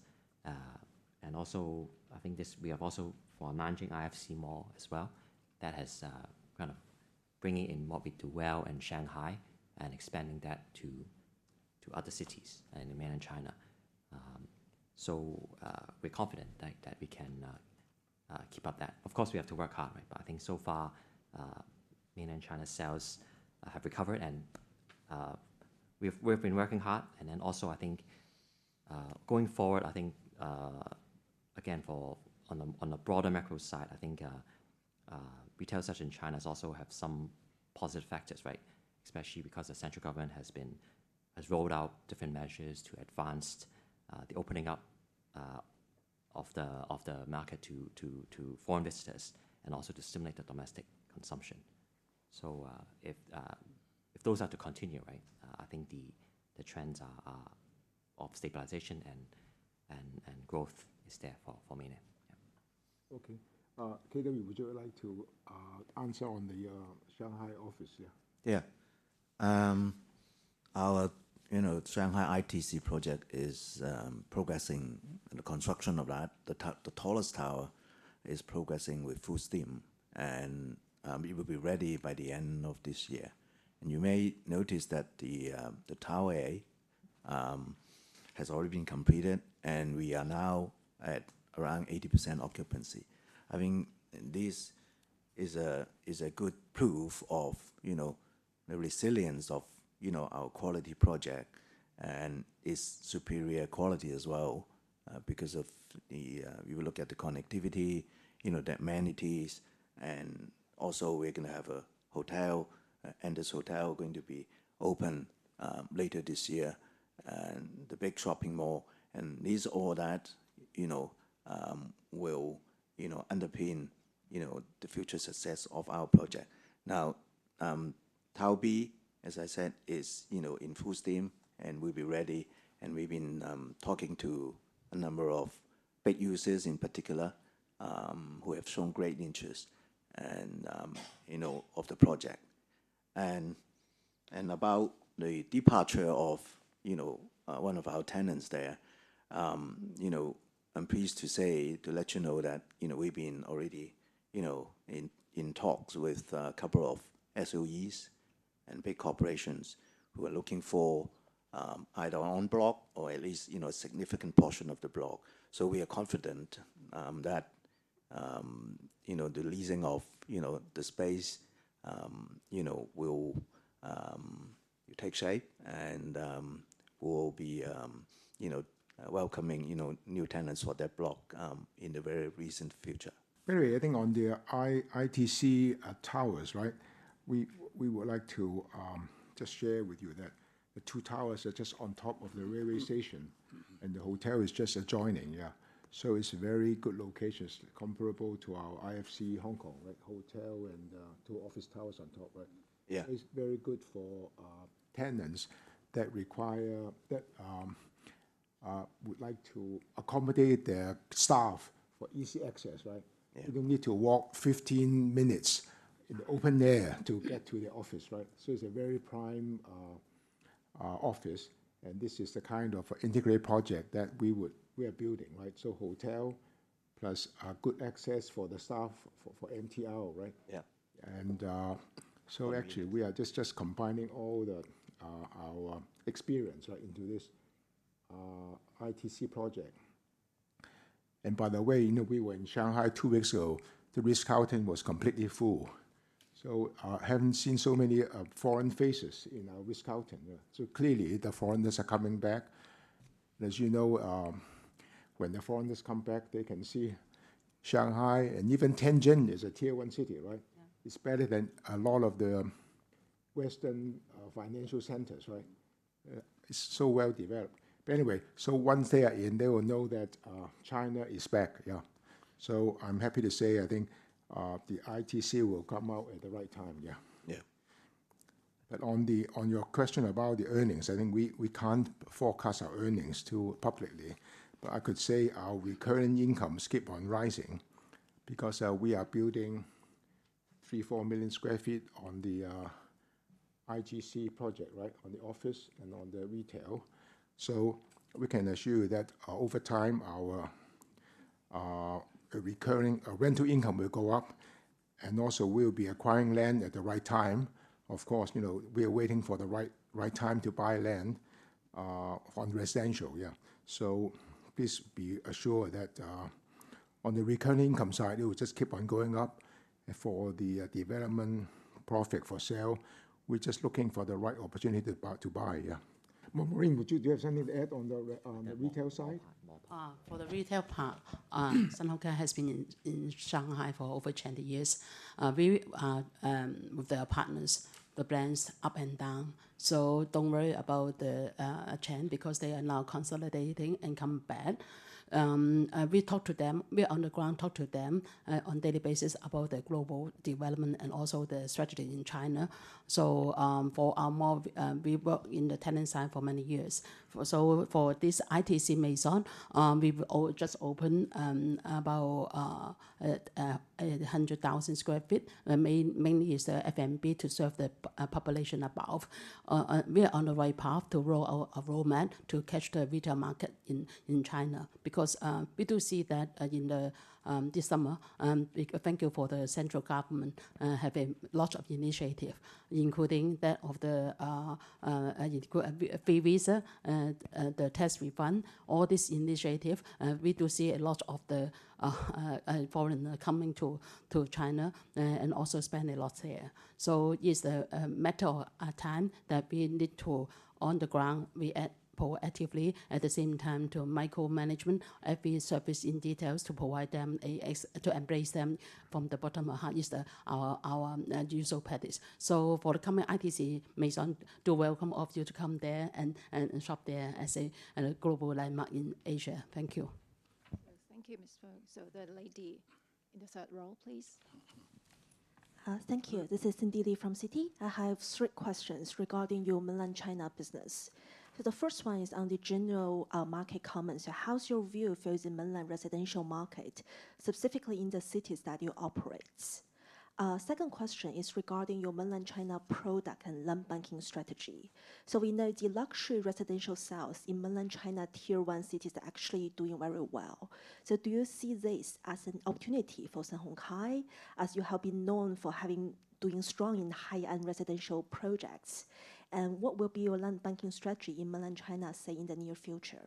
And also, I think this we have also for managing IFC Mall as well that has kind of bringing in Moby Du Wei in Shanghai and expanding that to other cities in Mainland China. So we're confident that we can keep up that. Of course, have to work hard, right? But I think so far Mainland China sales have recovered and we've we've been working hard. And then also, think, going forward, I think, again, for on the on the broader macro side, I think retail such in China also have some positive factors, right, especially because the central government has been has rolled out different measures to advance the opening up of the market to foreign visitors and also to stimulate the domestic consumption. So if those are to continue, right, I think the trends are of stabilization and growth is there for Mainland. Okay. KGB, would you like to answer on the Shanghai office here? Yeah. Our, you know, Shanghai ITC project is progressing. The construction of that, the the tallest tower is progressing with full steam, and it will be ready by the end of this year. And you may notice that the Tower A has already been completed, and we are now at around 80% occupancy. I mean, this is a is a good proof of, you know, the resilience of, you know, our quality project and is superior quality as well because of the you will look at the connectivity, you know, the amenities. And also, we're gonna have a hotel, and this hotel going to be open later this year and the big shopping mall. And these all that, you know, will, underpin the future success of our project. Now Tau B, as I said, is in full steam and will be ready. And we've been talking to a number of big users in particular who have shown great interest and, you know, of the project. And and about the departure of, you know, one of our tenants there, you know, I'm pleased to say to let you know that, you know, we've been already, you know, in in talks with a couple of SOEs and big corporations who are looking for either on block or at least, you know, a significant portion of the block. So we are confident that the leasing of the space will take shape and we'll be welcoming, you know, new tenants for that block in the very recent future. Barry, I think on the I ITC towers, right, we we would like to just share with you that the two towers are just on top of the railway station, and the hotel is just adjoining. It's a very good location, comparable to our IFC Hong Kong, like hotel and two office towers on top, right? It's very good for tenants that require that would like to accommodate their staff for easy access, They don't need to walk fifteen minutes in the open air to get to the office, right? So it's a very prime office and this is the kind of integrated project that we would we are building. Right? So hotel plus good access for the staff for for MTR. Right? Yeah. And so, actually, we are just just combining all the our experience, right, into this ITC project. And by the way, you know, we were in Shanghai two weeks ago. The risk counting was completely full. So I haven't seen so many foreign faces in our risk counting. So clearly, the foreigners are coming back. As you know, when the foreigners come back, they can see Shanghai and even Tianjin is a Tier one city, right? It's better than a lot of the Western financial centers, right? It's so well developed. Anyway, so once they are in, they will know that China is back, yes. So I'm happy to say, I think the ITC will come out at the right time, yes. Yes. But on the on your question about the earnings, I think we can't forecast our earnings too publicly. But I could say our recurring income skip on rising because we are building 3,000,000, 4,000,000 square feet on the IGC project, right, on the office and on the retail. So we can assure that over time, our recurring rental income will go up. And also we'll be acquiring land at the right time. Of course, we are waiting for the right time to buy land on residential, yes. So please be assured that on the recurring income side, it will just keep on going up for the development profit for sale. We're just looking for the right opportunity to buy, yes. Maureen, would you do you have something to add on the retail side? For the retail part, Sun Hong Kong has been in Shanghai for over twenty years. We with our partners, the brands up and down. So don't worry about the chain because they are now consolidating and come back. We talk to them. We're on the ground talk to them on daily basis about the global development and also the strategy in China. So, for our more, we work in the tenant side for many years. So for this ITC Maison, we've all just opened about a 100,000 square feet, main main is the FNB to serve the population above. We are on the right path to roll our enrollment to catch the retail market in in China because we do see that in the this summer. Thank you for the central government have a lot of initiative including that of the and it could be a free visa, the test refund, all this initiative. We do see a lot of the foreign coming to to China and also spend a lot here. So, it's a matter of time that we need to on the ground. We act proactively at the same time to micro management, every service in details to provide them a a to embrace them from the bottom of our user practice. So, for the coming ITC, Maison, do welcome all of you to come there and and shop there as a global landmark in Asia. Thank you. Thank you, miss Feng. So, the lady in the third row, please. Thank you. This is Cindy Lee from Citi. I have three questions regarding your Mainland China business. So the first one is on the general market comments. So how's your view for using Mainland residential market, specifically in the cities that you operate? Second question is regarding your Mainland China product and land banking strategy. So we know the luxury residential sales in Mainland China Tier one cities are actually doing very well. So do you see this as an opportunity for Shanghai as you have been known for having doing strong in high end residential projects? And what will be your land banking strategy in Mainland China, say, in the near future?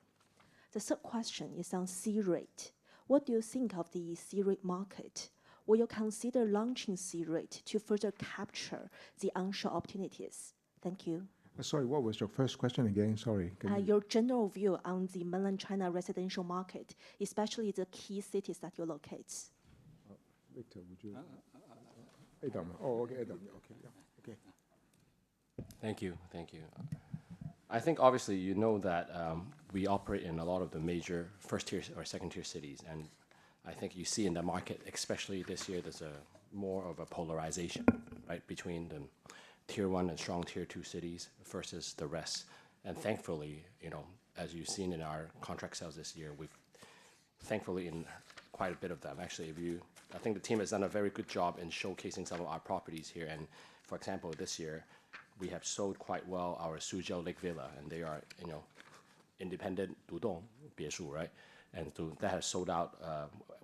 The third question is on C rate. What do you think of the C rate market? Will you consider launching C rate to further capture the onshore opportunities? Thank you. Sorry, what was your first question again? Sorry. Go ahead. Your general view on the Mainland China residential market, especially the key cities that you locate. Victor, would you Adam. Oh, okay. Adam. Okay. Yeah. Okay. Thank you. Thank you. I think, obviously, you know that we operate in a lot of the major first tier or second tier cities. And I think you see in the market, especially this year, there's a more of a polarization, right, between the tier one and strong tier two cities versus the rest. And, thankfully, you know, as you've seen in our contract sales this year, we've thankfully in quite a bit of them. Actually, if you I think the team has done a very good job in showcasing some of our properties here. And for example, this year, we have sold quite well our Suzhou Lake Villa, and they are independent Dudong, BSU, right? And so that has sold out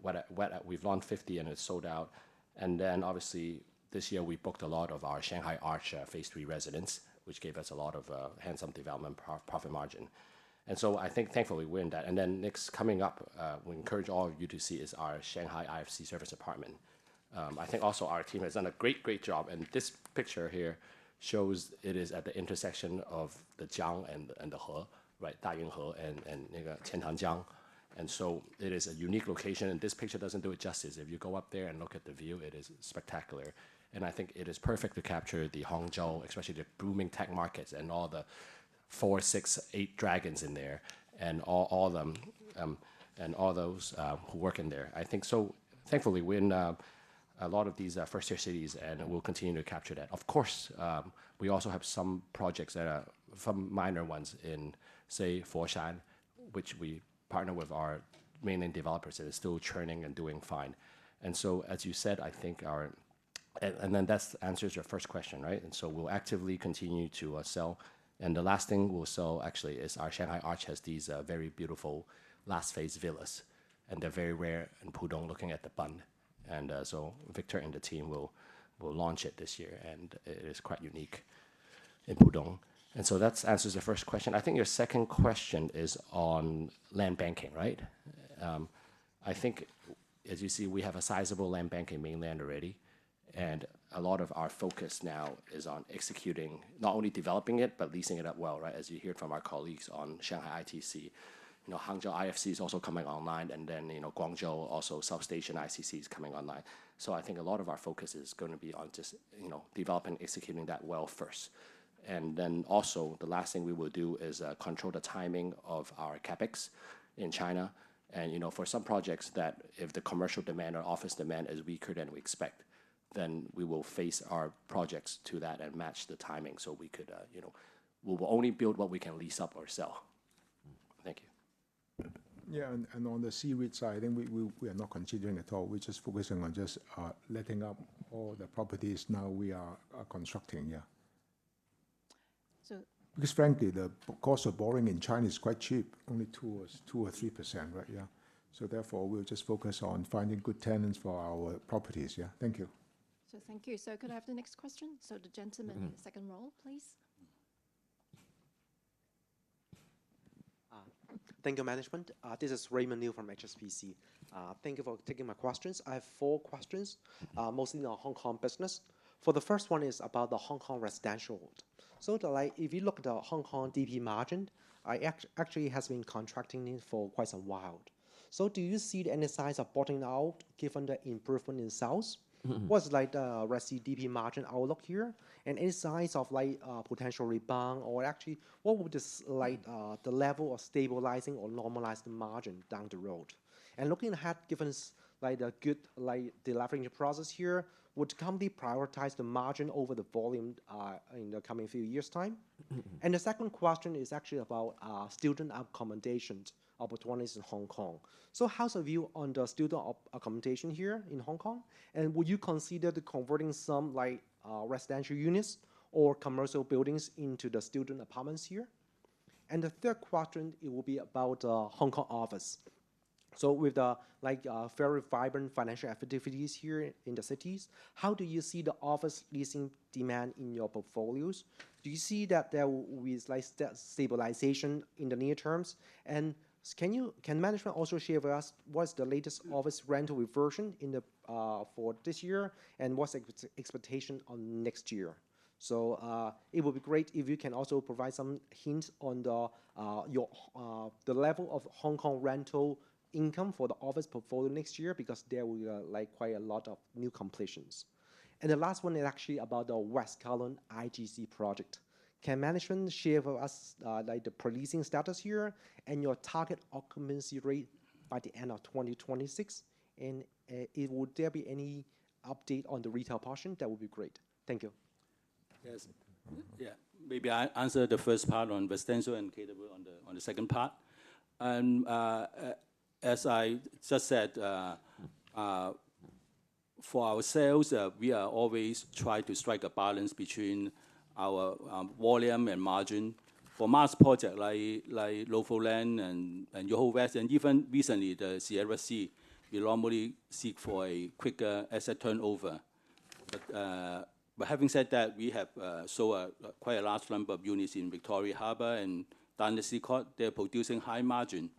what what we've launched 50 and it's sold out. And then, obviously, this year, we booked a lot of our Shanghai Arch Phase 3 residents, which gave us a lot of handsome development profit margin. So I think, thankfully, we win that. And then next coming up, we encourage all of you to see is our Shanghai IFC service department. I think also our team has done a great, great job, and this picture here shows it is at the intersection of the Zhang and and the He, right, and and and Chen Hanjiang. And so it is a unique location, this picture doesn't do it justice. If you go up there and look at the view, it is spectacular. And I think it is perfect to capture the Hongzhou, especially the booming tech markets and all the four, six, eight dragons in there and all all of them, and all those, who work in there. I think so thankfully, we're in a lot of these first year cities, and we'll continue to capture that. Of course, we also have some projects that are some minor ones in, say, Foshan, which we partner with our mainland developers that are still churning and doing fine. And so as you said, I think our and and then that answers your first question. Right? And so we'll actively continue to sell. And the last thing we'll sell actually is our Shanghai Arch has these very beautiful last phase villas, and they're very rare in Pudong looking at the bun. And so Victor and the team will will launch it this year, and it is quite unique in Pudong. And so that answers the first question. I think your second question is on land banking. Right? I think, as you see, we have a sizable land bank in Mainland already, and a lot of our focus now is on executing, not only developing it, but leasing it up well. Right? As you hear from our colleagues on Shanghai ITC, you know, Hangzhou IFC is also coming online and then, you know, Guangzhou also substation ICC is coming online. So I think a lot of our focus is gonna be on just, you know, developing, executing that well first. And then also, the last thing we will do is control the timing of our CapEx in China. And for some projects that if the commercial demand or office demand is weaker than we expect, then we will face our projects to that and match the timing. So we could we will only build what we can lease up or sell. Thank you. Yes. And on the Seaweed side, think we are not continuing at all. We're just focusing on just letting up all the properties now we are constructing here. Because frankly, the cost of borrowing in China is quite cheap, only 2% or 3%, right? So therefore, we'll just focus on finding good tenants for our properties. Yes. Thank you. So thank you. Sir, could I have the next question? So the gentleman in the second row, please. Thank you management. This is Raymond New from HSBC. Thank you for taking my questions. I have four questions, mostly in the Hong Kong business. So the first one is about the Hong Kong residential. So if you look at the Hong Kong DB margin, I act actually has been contracting this for quite a while. So do you see the any signs of bottoming out given the improvement in sales? Mhmm. What's like the resi DB margin outlook here? And any signs of, like, potential rebound or actually, what would this like the level of stabilizing or normalized margin down the road? And looking ahead, given us by the good like the leveraging process here, would company prioritize the margin over the volume in the coming few years time? And the second question is actually about student accommodations opportunities in Hong Kong. So how's your view on the student accommodation here in Hong Kong? And would you consider the converting some like residential units or commercial buildings into the student apartments here? And the third quadrant, it will be about, Hong Kong office. So with the, like, very vibrant financial affidavities here in the cities, How do you see the office leasing demand in your portfolios? Do you see that there will slight stabilization in the near terms? And can management also share with us what's the latest office rental reversion in the for this year and what's the expectation on next year? So it will be great if you can also provide some hints on the your the level of Hong Kong rental income for the office portfolio next year because there we are like quite a lot of new completions? And the last one is actually about the West Collins IGC project. Can management share for us like the policing status here and your target occupancy rate by the 2026? And would there be any update on the retail portion that will be great? Thank you. Yes. Maybe I'll answer the first part on residential and cater on the second part. And as I just said, for our sales, we are always trying to strike a balance between our volume and margin for mass project like Lofo Land and Yoho West and even recently the CRC, we normally seek for a quicker asset turnover. But having said that, we have saw quite a large number of units in Victoria Harbor and Dundas Secord, they're producing high margin.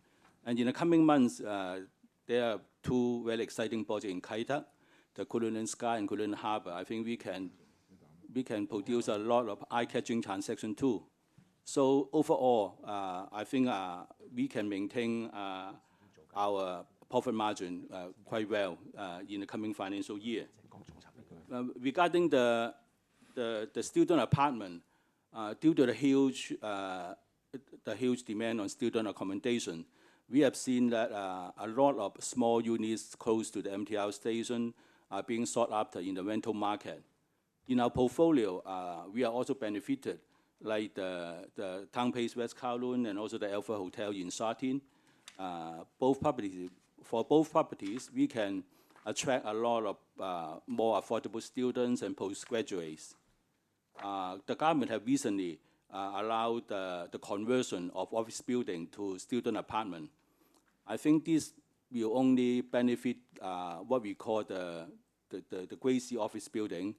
And in the coming months, there are two very exciting projects in Kaita, the Kulin and Sky and Kulin Harbor. I think we can produce a lot of eye catching transaction too. So overall, I think we can maintain our profit margin quite well in the coming financial year. Regarding the student apartment, due to the huge demand on student accommodation, we have seen that a lot of small units close to the MTR station are being sought after in the rental market. In our portfolio, we are also benefited like Town Pace West Kowloon and also the Alpha Hotel in Satin. Both properties for both properties, we can attract a lot of more affordable students and post graduates. The government have recently allowed the conversion of office building to student apartment. I think this will only benefit what we call the crazy office building.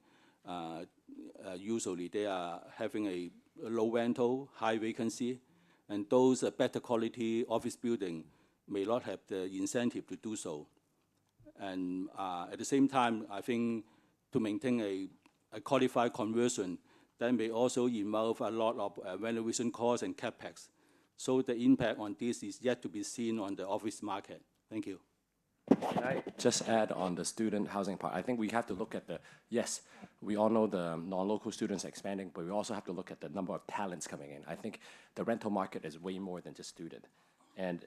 Usually they are having a low rental, high vacancy and those better quality office building may not have the incentive to do so. And at the same time, I think to maintain a qualified conversion then they also involve a lot of renovation costs and CapEx. So the impact on this is yet to be seen on the office market. Thank you. Can I just add on the student housing part? I think we have to look at the yes, we all know the non local students expanding, but we also have to look at the number of talents coming in. I think the rental market is way more than just student. And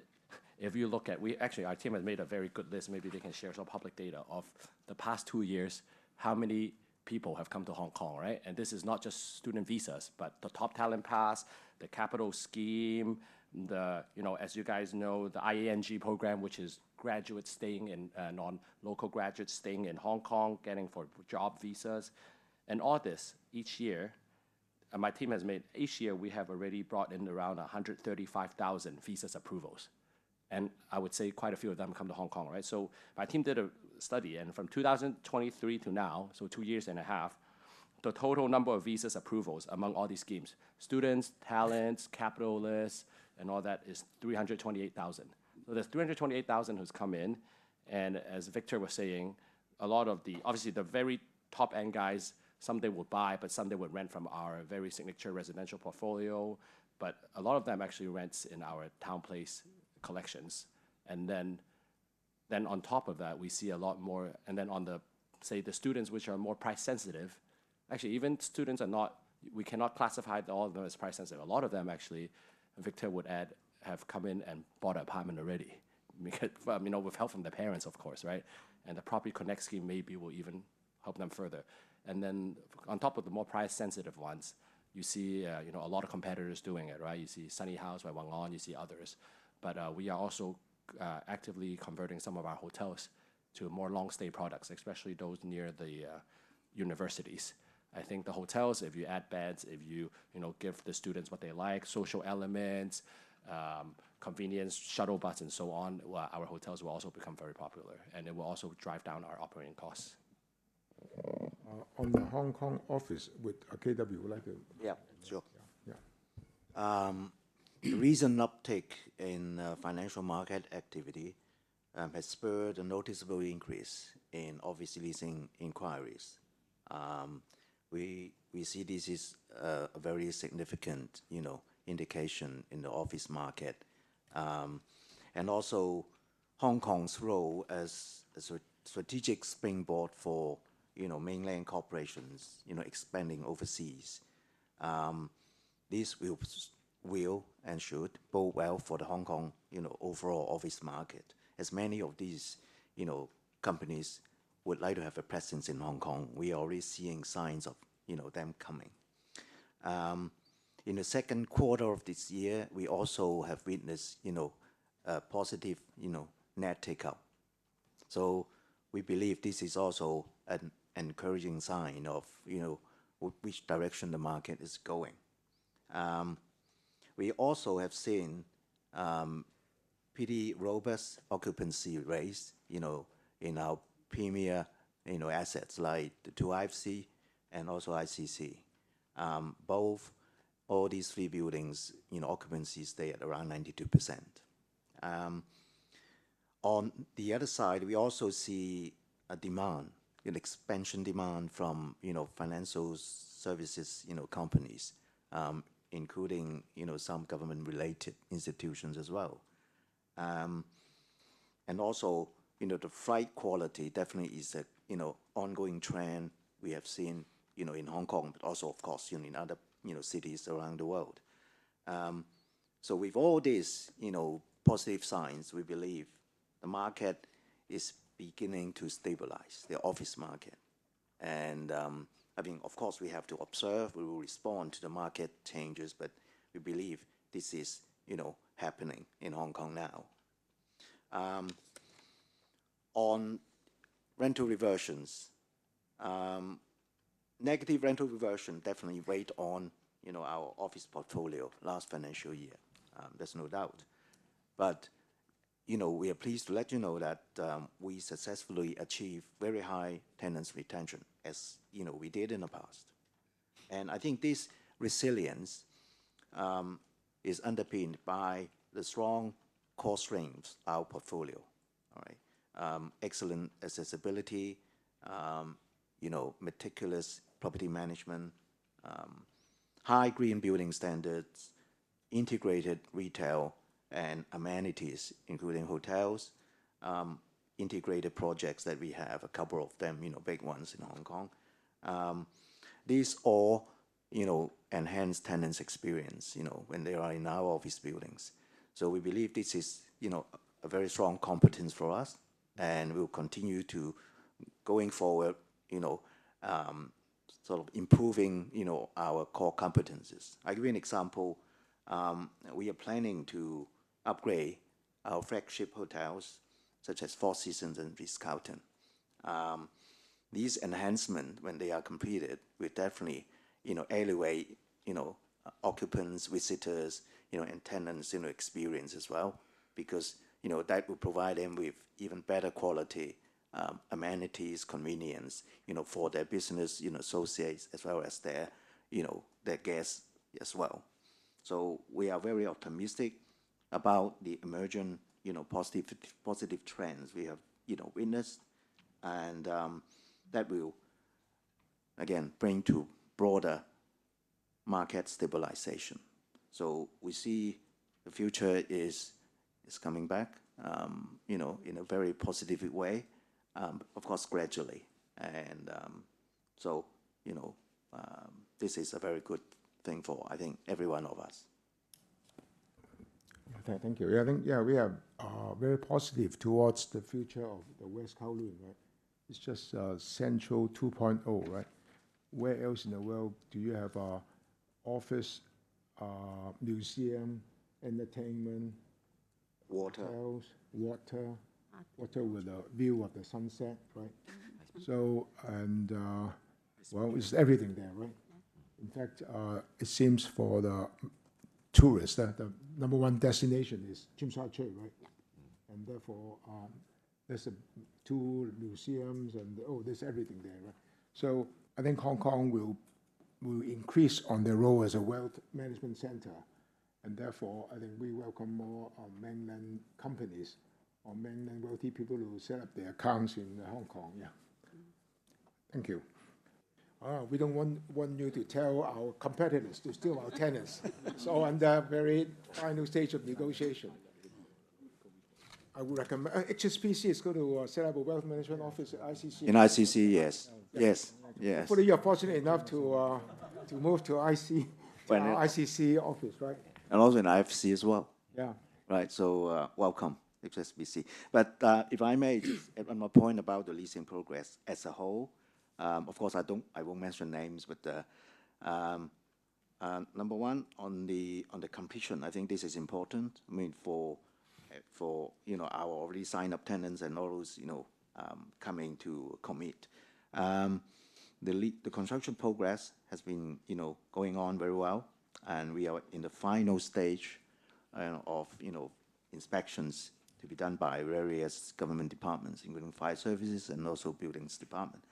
if you look at we actually, our team has made a very good list. Maybe they can share some public data of the past two years, how many people have come to Hong Kong. Right? And this is not just student visas, but the top talent pass, the capital scheme, the you know, as you guys know, the IANG program, which is graduates staying in non local graduates staying in Hong Kong getting for job visas. And all this, each year, my team has made each year, we have already brought in around a 135,000 visas approvals. And I would say quite a few of them come to Hong Kong. Right? So my team did a study. And from 2023 to now, so two years and a half, the total number of visa approvals among all these schemes, students, talents, capitalists, and all that is 328,000. So there's 328,000 who's come in. And as Victor was saying, a lot of the obviously, the very top end guys, some they will buy, but some they would rent from our very signature residential portfolio. But a lot of them actually rents in our town place collections. And then then on top of that, we see a lot more and then on the, say, the students which are more price sensitive, actually, even students are not we cannot classify all of those price sensitive. A lot of them actually, Victor would add, have come in and bought apartment already. We could well, I mean, with help from the parents, of course. Right? And the property Konecksky maybe will even help them further. And then on top of the more price sensitive ones, you see, you know, a lot of competitors doing it. Right? You see Sunny House by Wenglaon, you see others. But, we are also, actively converting some of our hotels to more long stay products, especially those near the universities. I think the hotels, if you add beds, if you, you know, give the students what they like, social elements, convenience, shuttle bus, and so on, well, our hotels will also become very popular, and it will also drive down our operating costs. On the Hong Kong office with KW, would like to Yes. Sure. Recent uptick in financial market activity has spurred a noticeable increase in office leasing inquiries. We see this is a very significant indication in the office market. And also Hong Kong's role as a strategic springboard for you know, mainland corporations, you know, expanding overseas. This will and should bode well for the Hong Kong, you know, overall office market. As many of these, you know, companies would like to have a presence in Hong Kong, we are already seeing signs of them coming. In the second quarter of this year, we also have witnessed positive net take up. So we believe this is also an encouraging sign of, you know, which direction the market is going. We also have seen pretty robust occupancy rates, you know, in our premier, you know, assets like the IIFC and also ICC. Both all these three buildings, you know, occupancy stay at around 92%. On the other side, we also see a demand, an expansion demand from financial services companies, including some government related institutions as well. And also, you know, the flight quality definitely is a, you know, ongoing trend we have seen, you know, in Hong Kong, but also, of course, you know, in other, you know, cities around the world. So with all these, you know, positive signs, we believe the market is beginning to stabilize, the office market. And I think, of course, we have to observe. We will respond to the market changes, but we believe this is happening in Hong Kong now. On rental reversions, negative rental reversion definitely weighed on our office portfolio last financial year. There's no doubt. But, you know, we are pleased to let you know that we successfully achieved very high tenants retention as, you know, we did in the past. And I think this resilience is underpinned by the strong cost range of our portfolio. Alright. Excellent accessibility, you know, meticulous property management, high green building standards, integrated retail and amenities, including hotels, integrated projects that we have, a couple of them, you know, big ones in Hong Kong. These all, you know, enhance tenants experience, you know, when they are in our office buildings. So we believe this is, you know, a very strong competence for us and we'll continue to going forward, you know, sort of improving, you know, our core competencies. I'll give you an example. We are planning to upgrade our flagship hotels such as Four Seasons and Viscounting. These enhancement, when they are completed, we definitely, you know, elevate, you know, occupants, visitors, you know, and tenants, you know, experience as well because, you know, that will provide them with even better quality amenities, convenience, you know, for their business, you know, associates as well as their, you know, their guests as well. So we are very optimistic about the emerging, you know, positive positive trends we have, you know, witnessed, and that will, again, bring to broader market stabilization. So we see the future is is coming back, you know, in a very positive way, of course, gradually. And so, you know, this is a very good thing for, I think, every one of us. Thank you. Yeah. Think, yeah, we are very positive towards the future of the West Kowloon. It's just Central 2, right? Where else in the world do you have office, museum, entertainment Water. House, water, water with a view of the sunset, right? So and well, it's everything there, right? In fact, it seems for the tourists that the number one destination is right? And therefore, there's a tool, museums and there's everything there. So I think Hong Kong will increase on their role as a wealth management center. And therefore, I think we welcome more Mainland companies or mainland wealthy people to set up their accounts in Hong Kong, yes. Thank you. We don't want you to tell our competitors to steal our tenants. So on that very final stage of negotiation, I would recommend HSBC is going to set up a wealth management office at ICC. In ICC, yes. But you're fortunate enough to move to IC And office, also in IFC as well. Yes. Right. So welcome HSBC. But if I may, on my point about the leasing progress as a whole, of course, don't I won't mention names, but number one, on the completion, I think this is important, I mean, for our already signed up tenants and all those coming to commit. The lead the construction progress has been going on very well, and we are in the final stage of, you know, inspections to be done by various government departments, including fire services and also buildings department.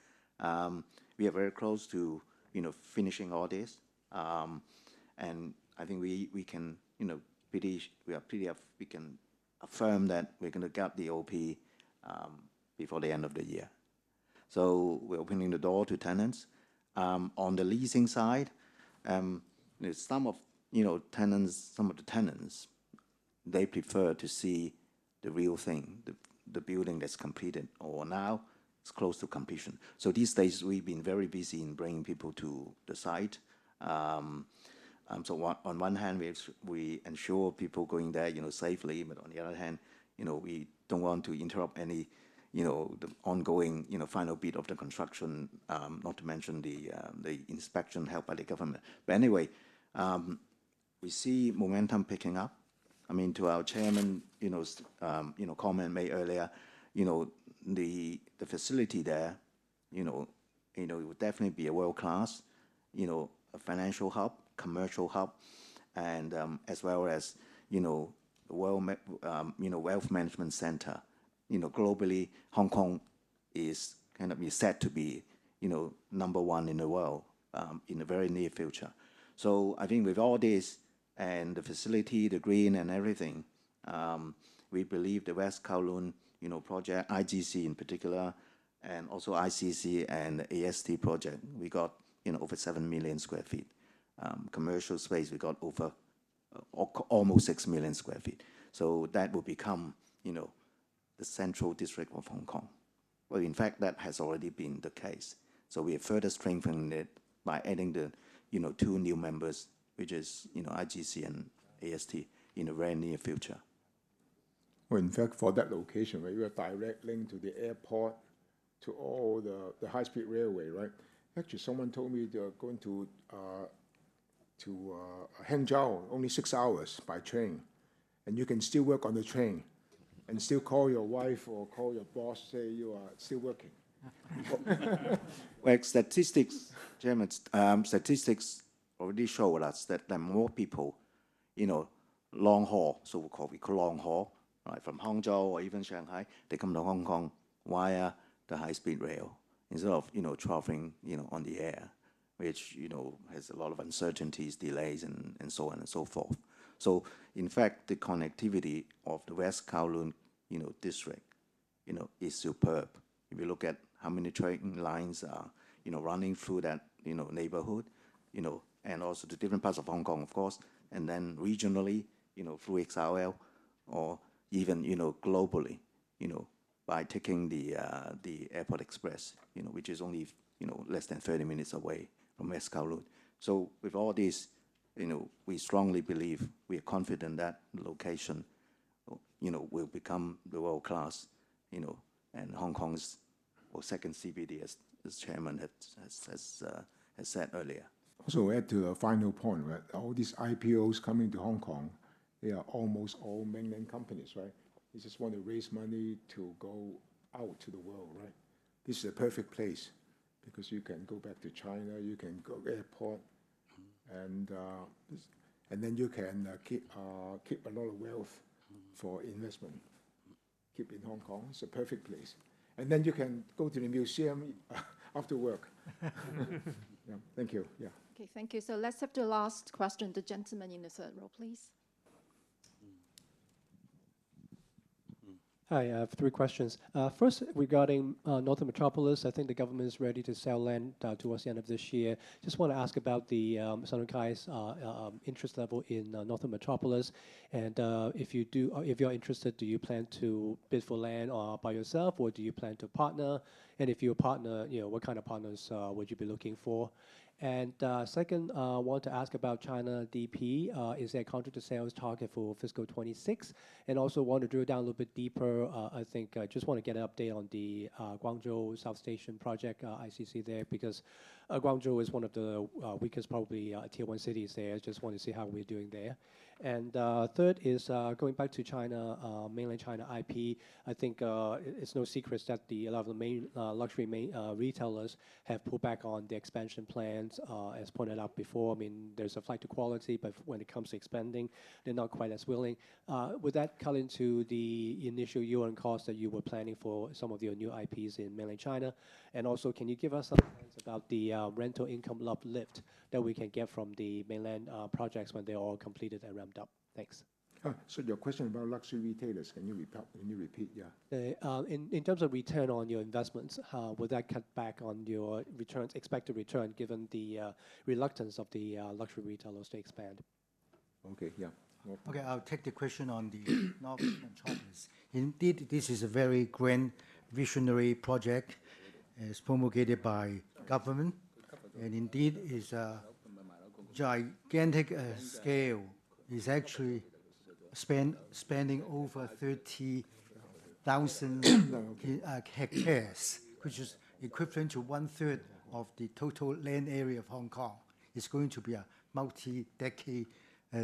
We are very close to, you know, finishing all this. And I think we we can, you know, pretty we are pretty we can affirm that we're gonna gap the OP before the end of the year. So we're opening the door to tenants. On the leasing side, there's some of, you know, tenants some of the tenants, they prefer to see the real thing, the the building that's completed or now it's close to completion. So these days, we've been very busy in bringing people to the site. So on one hand, we we ensure people going there, you know, safely. But on the other hand, you know, we don't want to interrupt any, you know, the ongoing, you know, final bit of the construction, not to mention the the inspection held by the government. But, anyway, we see momentum picking up. I mean, to our chairman, you know, you know, comment made earlier, you know, the the facility there, you know you know, it would definitely be a world class, you know, financial hub, commercial hub, and as well as, you know, well, know, wealth management center. You know, globally, Hong Kong is kind of is set to be, you know, number one in the world in the very near future. So I think with all this and the facility, the green and everything, we believe the West Kowloon, you know, project, IGC in particular, and also ICC and AST project, we got over 7,000,000 square feet. Commercial space, got over almost 6,000,000 square feet. So that will become the Central District Of Hong Kong. Well, in fact, that has already been the case. So we are further strengthening it by adding the two new members, which is IGC and AST in the very near future. Well, in fact, for that location, where you are direct link to the airport to all the the high speed railway. Right? Actually, someone told me they are going to to Hangzhou only six hours by train, and you can still work on the train and still call your wife or call your boss, say you are still working. Like statistics, Jim, statistics already show us that there are more people, you know, long haul, so we call it long haul, right, from Hangzhou or even Shanghai, they come to Hong Kong via the high speed rail instead of, you know, traveling, you know, on the air, which, you know, has a lot of uncertainties, delays, and and so on and so forth. So in fact, the connectivity of the West Kowloon, you know, district, you know, is superb. If you look at how many trading lines are, you know, running through that, you know, neighborhood, you know, and also the different parts of Hong Kong, of course, and then regionally, you know, through XRL or even, you know, globally, you know, by taking the the airport express, you know, which is only, you know, less than thirty minutes away from Moscow Road. So with all these, you know, we strongly believe we are confident that location, will become the world class and Hong Kong's second CBD as Chairman has said earlier. So add to a final point, All these IPOs coming to Hong Kong, they are almost all Mainland companies, right? They just want to raise money to go out to the world, right? This is a perfect place because you can go back to China, you can go airport, and and then you can keep keep a lot of wealth for investment. Keep in Hong Kong, it's a perfect place. And then you can go to the museum after work. Yeah. Thank you. Yeah. Okay. Thank you. So let's have the last question, the gentleman in the third row, please. Hi. I have three questions. First, Northern Metropolis, I think the government is ready to sell land towards the end of this year. Just want to ask about the Shanghai's interest level in Northern Metropolis. And if you do if you're interested, do you plan to bid for land by yourself or do you plan to partner? And if you're a partner, what kind of partners would you be looking for? And second, want to ask about China DP. Is that a contract to sales target for fiscal twenty twenty six? And also want to drill down a little bit deeper. I think I just want to get an update on the Guangzhou South Station project, ICC there because Guangzhou is one of the weakest probably Tier one cities there. I just want to see how we're doing there. And third is going back to China, Mainland China IP. I think it's no secret that the a lot of the main luxury retailers have pulled back on the expansion plans as pointed out before. I mean, there's a flight to quality, but when it comes to expanding, they're not quite as willing. Would that cut into the initial year end costs that you were planning for some of your new IPs in Mainland China? And also, you give us some sense about the rental income uplift that we can get from the Mainland projects when they are all completed and ramped up? Thanks. So your question about luxury retailers, can you repeat? Yes. In terms of return on your investments, would that cut back on your returns expected return given the reluctance of the luxury retailers to expand? Okay. Yes. Okay. I'll take the question on the North and China. Indeed, this is a very grand visionary project as promulgated by government. And indeed, it's gigantic scale. It's actually spend spending over 30,000 hectares, which is equivalent to one third of the total land area of Hong Kong. It's going to be a multi decade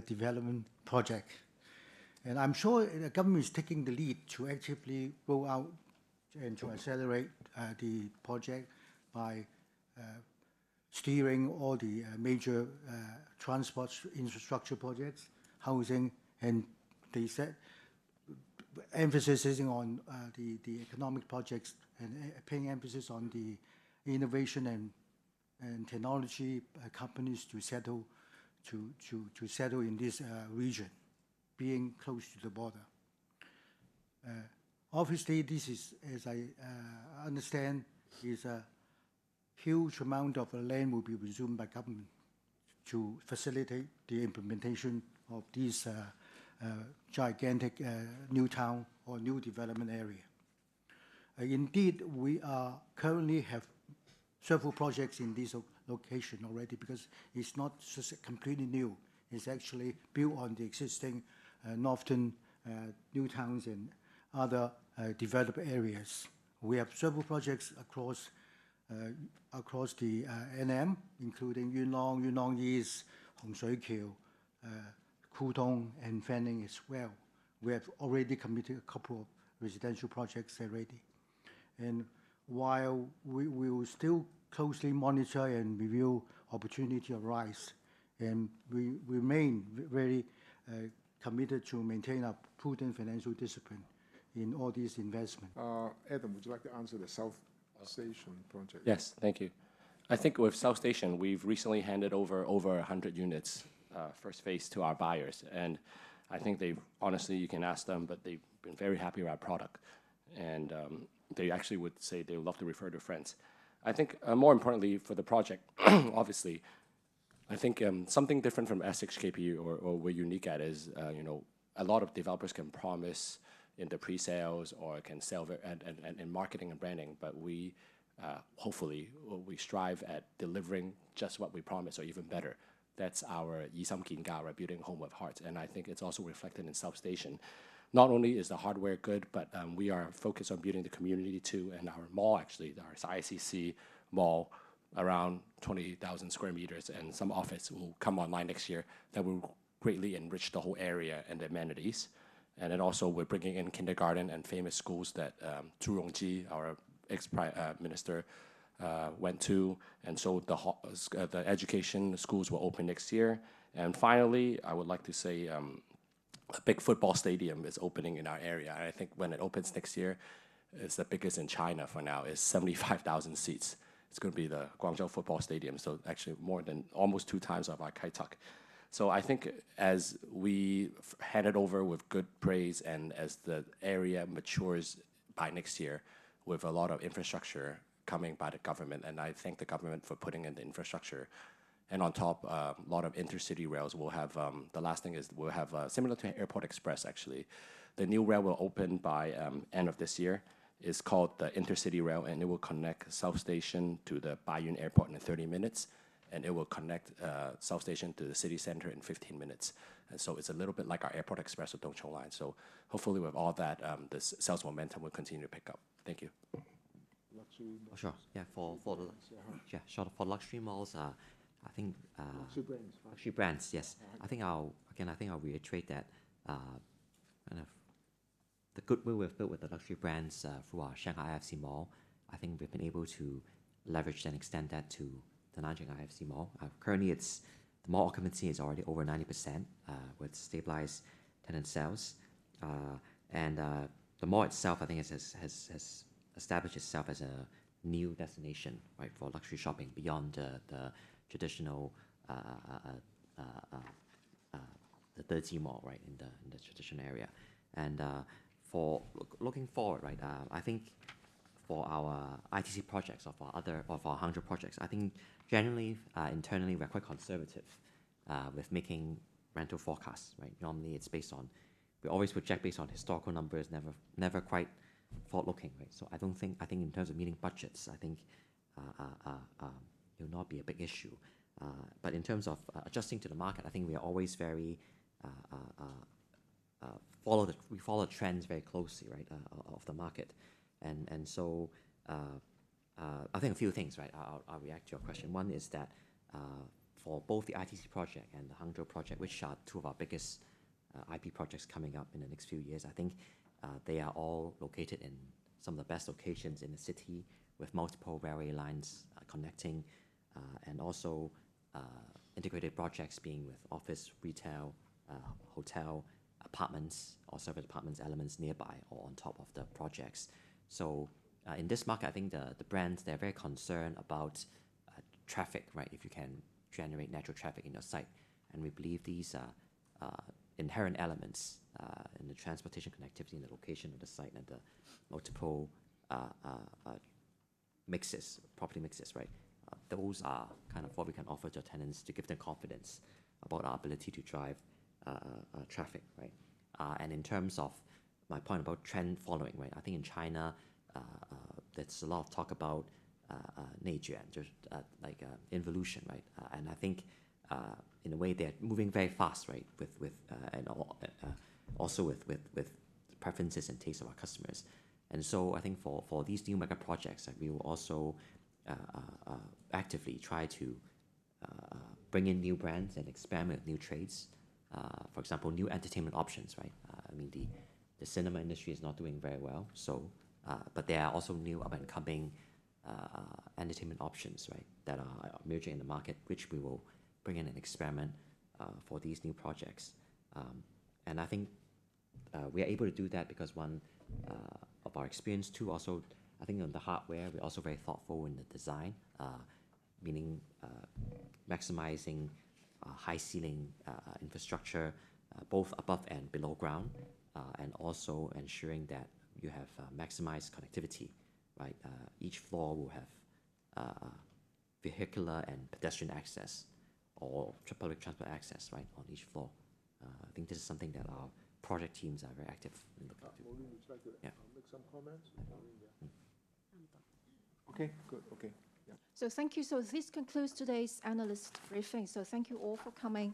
development project. And I'm sure the government is taking the lead to actively go out and to accelerate the project by steering all the major transport infrastructure projects, housing, and the emphasis is on the the economic projects and paying emphasis on the innovation and and technology companies to settle to to to settle in this region being close to the border. Obviously, this is, as I understand, is a huge amount of land will be resumed by government to facilitate the implementation of this gigantic new town or new development area. Indeed, we are currently have several projects in these location already because it's not just completely new. It's actually built on the existing and often new towns and other developed areas. We have several projects across across the, NM, including Yunlong, Yunlong East, Hongshui Qiu, Kutong, and Fening as well. We have already committed a couple of residential projects already. And while we will still closely monitor and review opportunity arise, and we remain very committed to maintain a prudent financial discipline in all these investment. Adam, would you like to answer the South project? Yes. Thank you. I think with South Station, we've recently handed over over a 100 units, first phase to our buyers. And I think they've honestly, you can ask them, but they've been very happy with our product. And, they actually would say they would love to refer to friends. I think, more importantly for the project, obviously, I think, something different from SXKPU or or we're unique at is, you know, a lot of developers can promise in the presales or can sell it at at at in marketing and branding, we, hopefully, we strive at delivering just what we promised or even better. That's our Yisam Kin Gao, our building home of hearts. And I think it's also reflected in substation. Not only is the hardware good, but, we are focused on building the community too and our mall actually, there is ICC mall around 20,000 square meters and some office will come online next year that will greatly enrich the whole area and the amenities. And then also, we're bringing in kindergarten and famous schools that, Chu Rong Ji, our ex prime minister, went to. And so the the education schools will open next year. And finally, I would like to say a big football stadium is opening in our area. I think when it opens next year, it's the biggest in China for now. It's 75,000 seats. It's going be the Guangzhou football stadium. So actually more than almost two times of our Kitek. So I think as we hand it over with good praise and as the area matures by next year with a lot of infrastructure coming by the government, and I thank the government for putting in the infrastructure. And on top, a lot of intercity rails will have the last thing is we'll have a similar to an airport express actually. The new rail will open by end of this year. It's called the intercity rail and it will connect South Station to the Bayon Airport in thirty minutes and it will connect South Station to the city center in fifteen minutes. And so it's a little bit like our airport express with Dongsho Line. So hopefully with all that, the sales momentum will continue to pick up. Thank you. Luxury Malls? Yes, Luxury Malls, I think Luxury brands, right? Luxury brands, yes. I think I'll again, I think I'll reiterate that kind of the goodwill we've built with the luxury brands through our Shanghai IFC Mall, I think we've been able to leverage and extend that to the Nanjing IFC Mall. Currently, it's the mall occupancy is already over 90% with stabilized tenant sales. And the mall itself, I think, has established itself as a new destination, right, for luxury shopping beyond the traditional the dirty mall, right, in the in the traditional area. And for looking forward, right, I think for our ITC projects of our other of our 100 projects, I think generally, internally, we're quite conservative with making rental forecasts. Right? Normally, it's based on we always would check based on historical numbers, never never quite forward looking, right? So I don't think I think in terms of meeting budgets, I think it will not be a big issue. But in terms of adjusting to the market, I think we are always very follow the we follow trends very closely, right, of the market. And so I think a few things, right, I'll react to your question. One is that for both the ITC project and the Hangzhou project, which are two of our biggest IP projects coming up in the next few years. I think they are all located in some of the best locations in the city with multiple railway lines connecting and also integrated projects being with office, retail, hotel, apartments or service apartments, elements nearby or on top of the projects. So in this market, I think the brands, they're very concerned about traffic, right, if you can generate natural traffic in your site. And we believe these inherent elements in the transportation connectivity and the location of the site and the multiple mixes, property mixes, right. Those are kind of what we can offer to our tenants to give them confidence about our ability to drive traffic, right? And in terms of my point about trend following, right? I think in China, there's a lot of talk about nature and just like evolution, right? And I think in a way, they are moving very fast, right, with and also with preferences and taste of our customers. And so I think for these new mega projects, we will also actively try to bring in new brands and experiment new trades. For example, new entertainment options, right? I mean the cinema industry is not doing very well. So but there are also new up and coming entertainment options, right, that are emerging in the market, which we will bring in an experiment for these new projects. And I think we are able to do that because, one, of our experience two, also, I think on the hardware, we're also very thoughtful in the design, meaning maximizing high ceiling infrastructure both above and below ground and also ensuring that you have maximized connectivity, right? Each floor will have vehicular and pedestrian access or public transport access, right, on each floor. I think this is something that our project teams are very active. Good. Okay. So thank you. So this concludes today's analyst briefing. So thank you all for coming.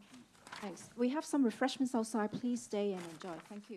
Thanks. We have some refreshments outside. Please stay and enjoy. Thank you.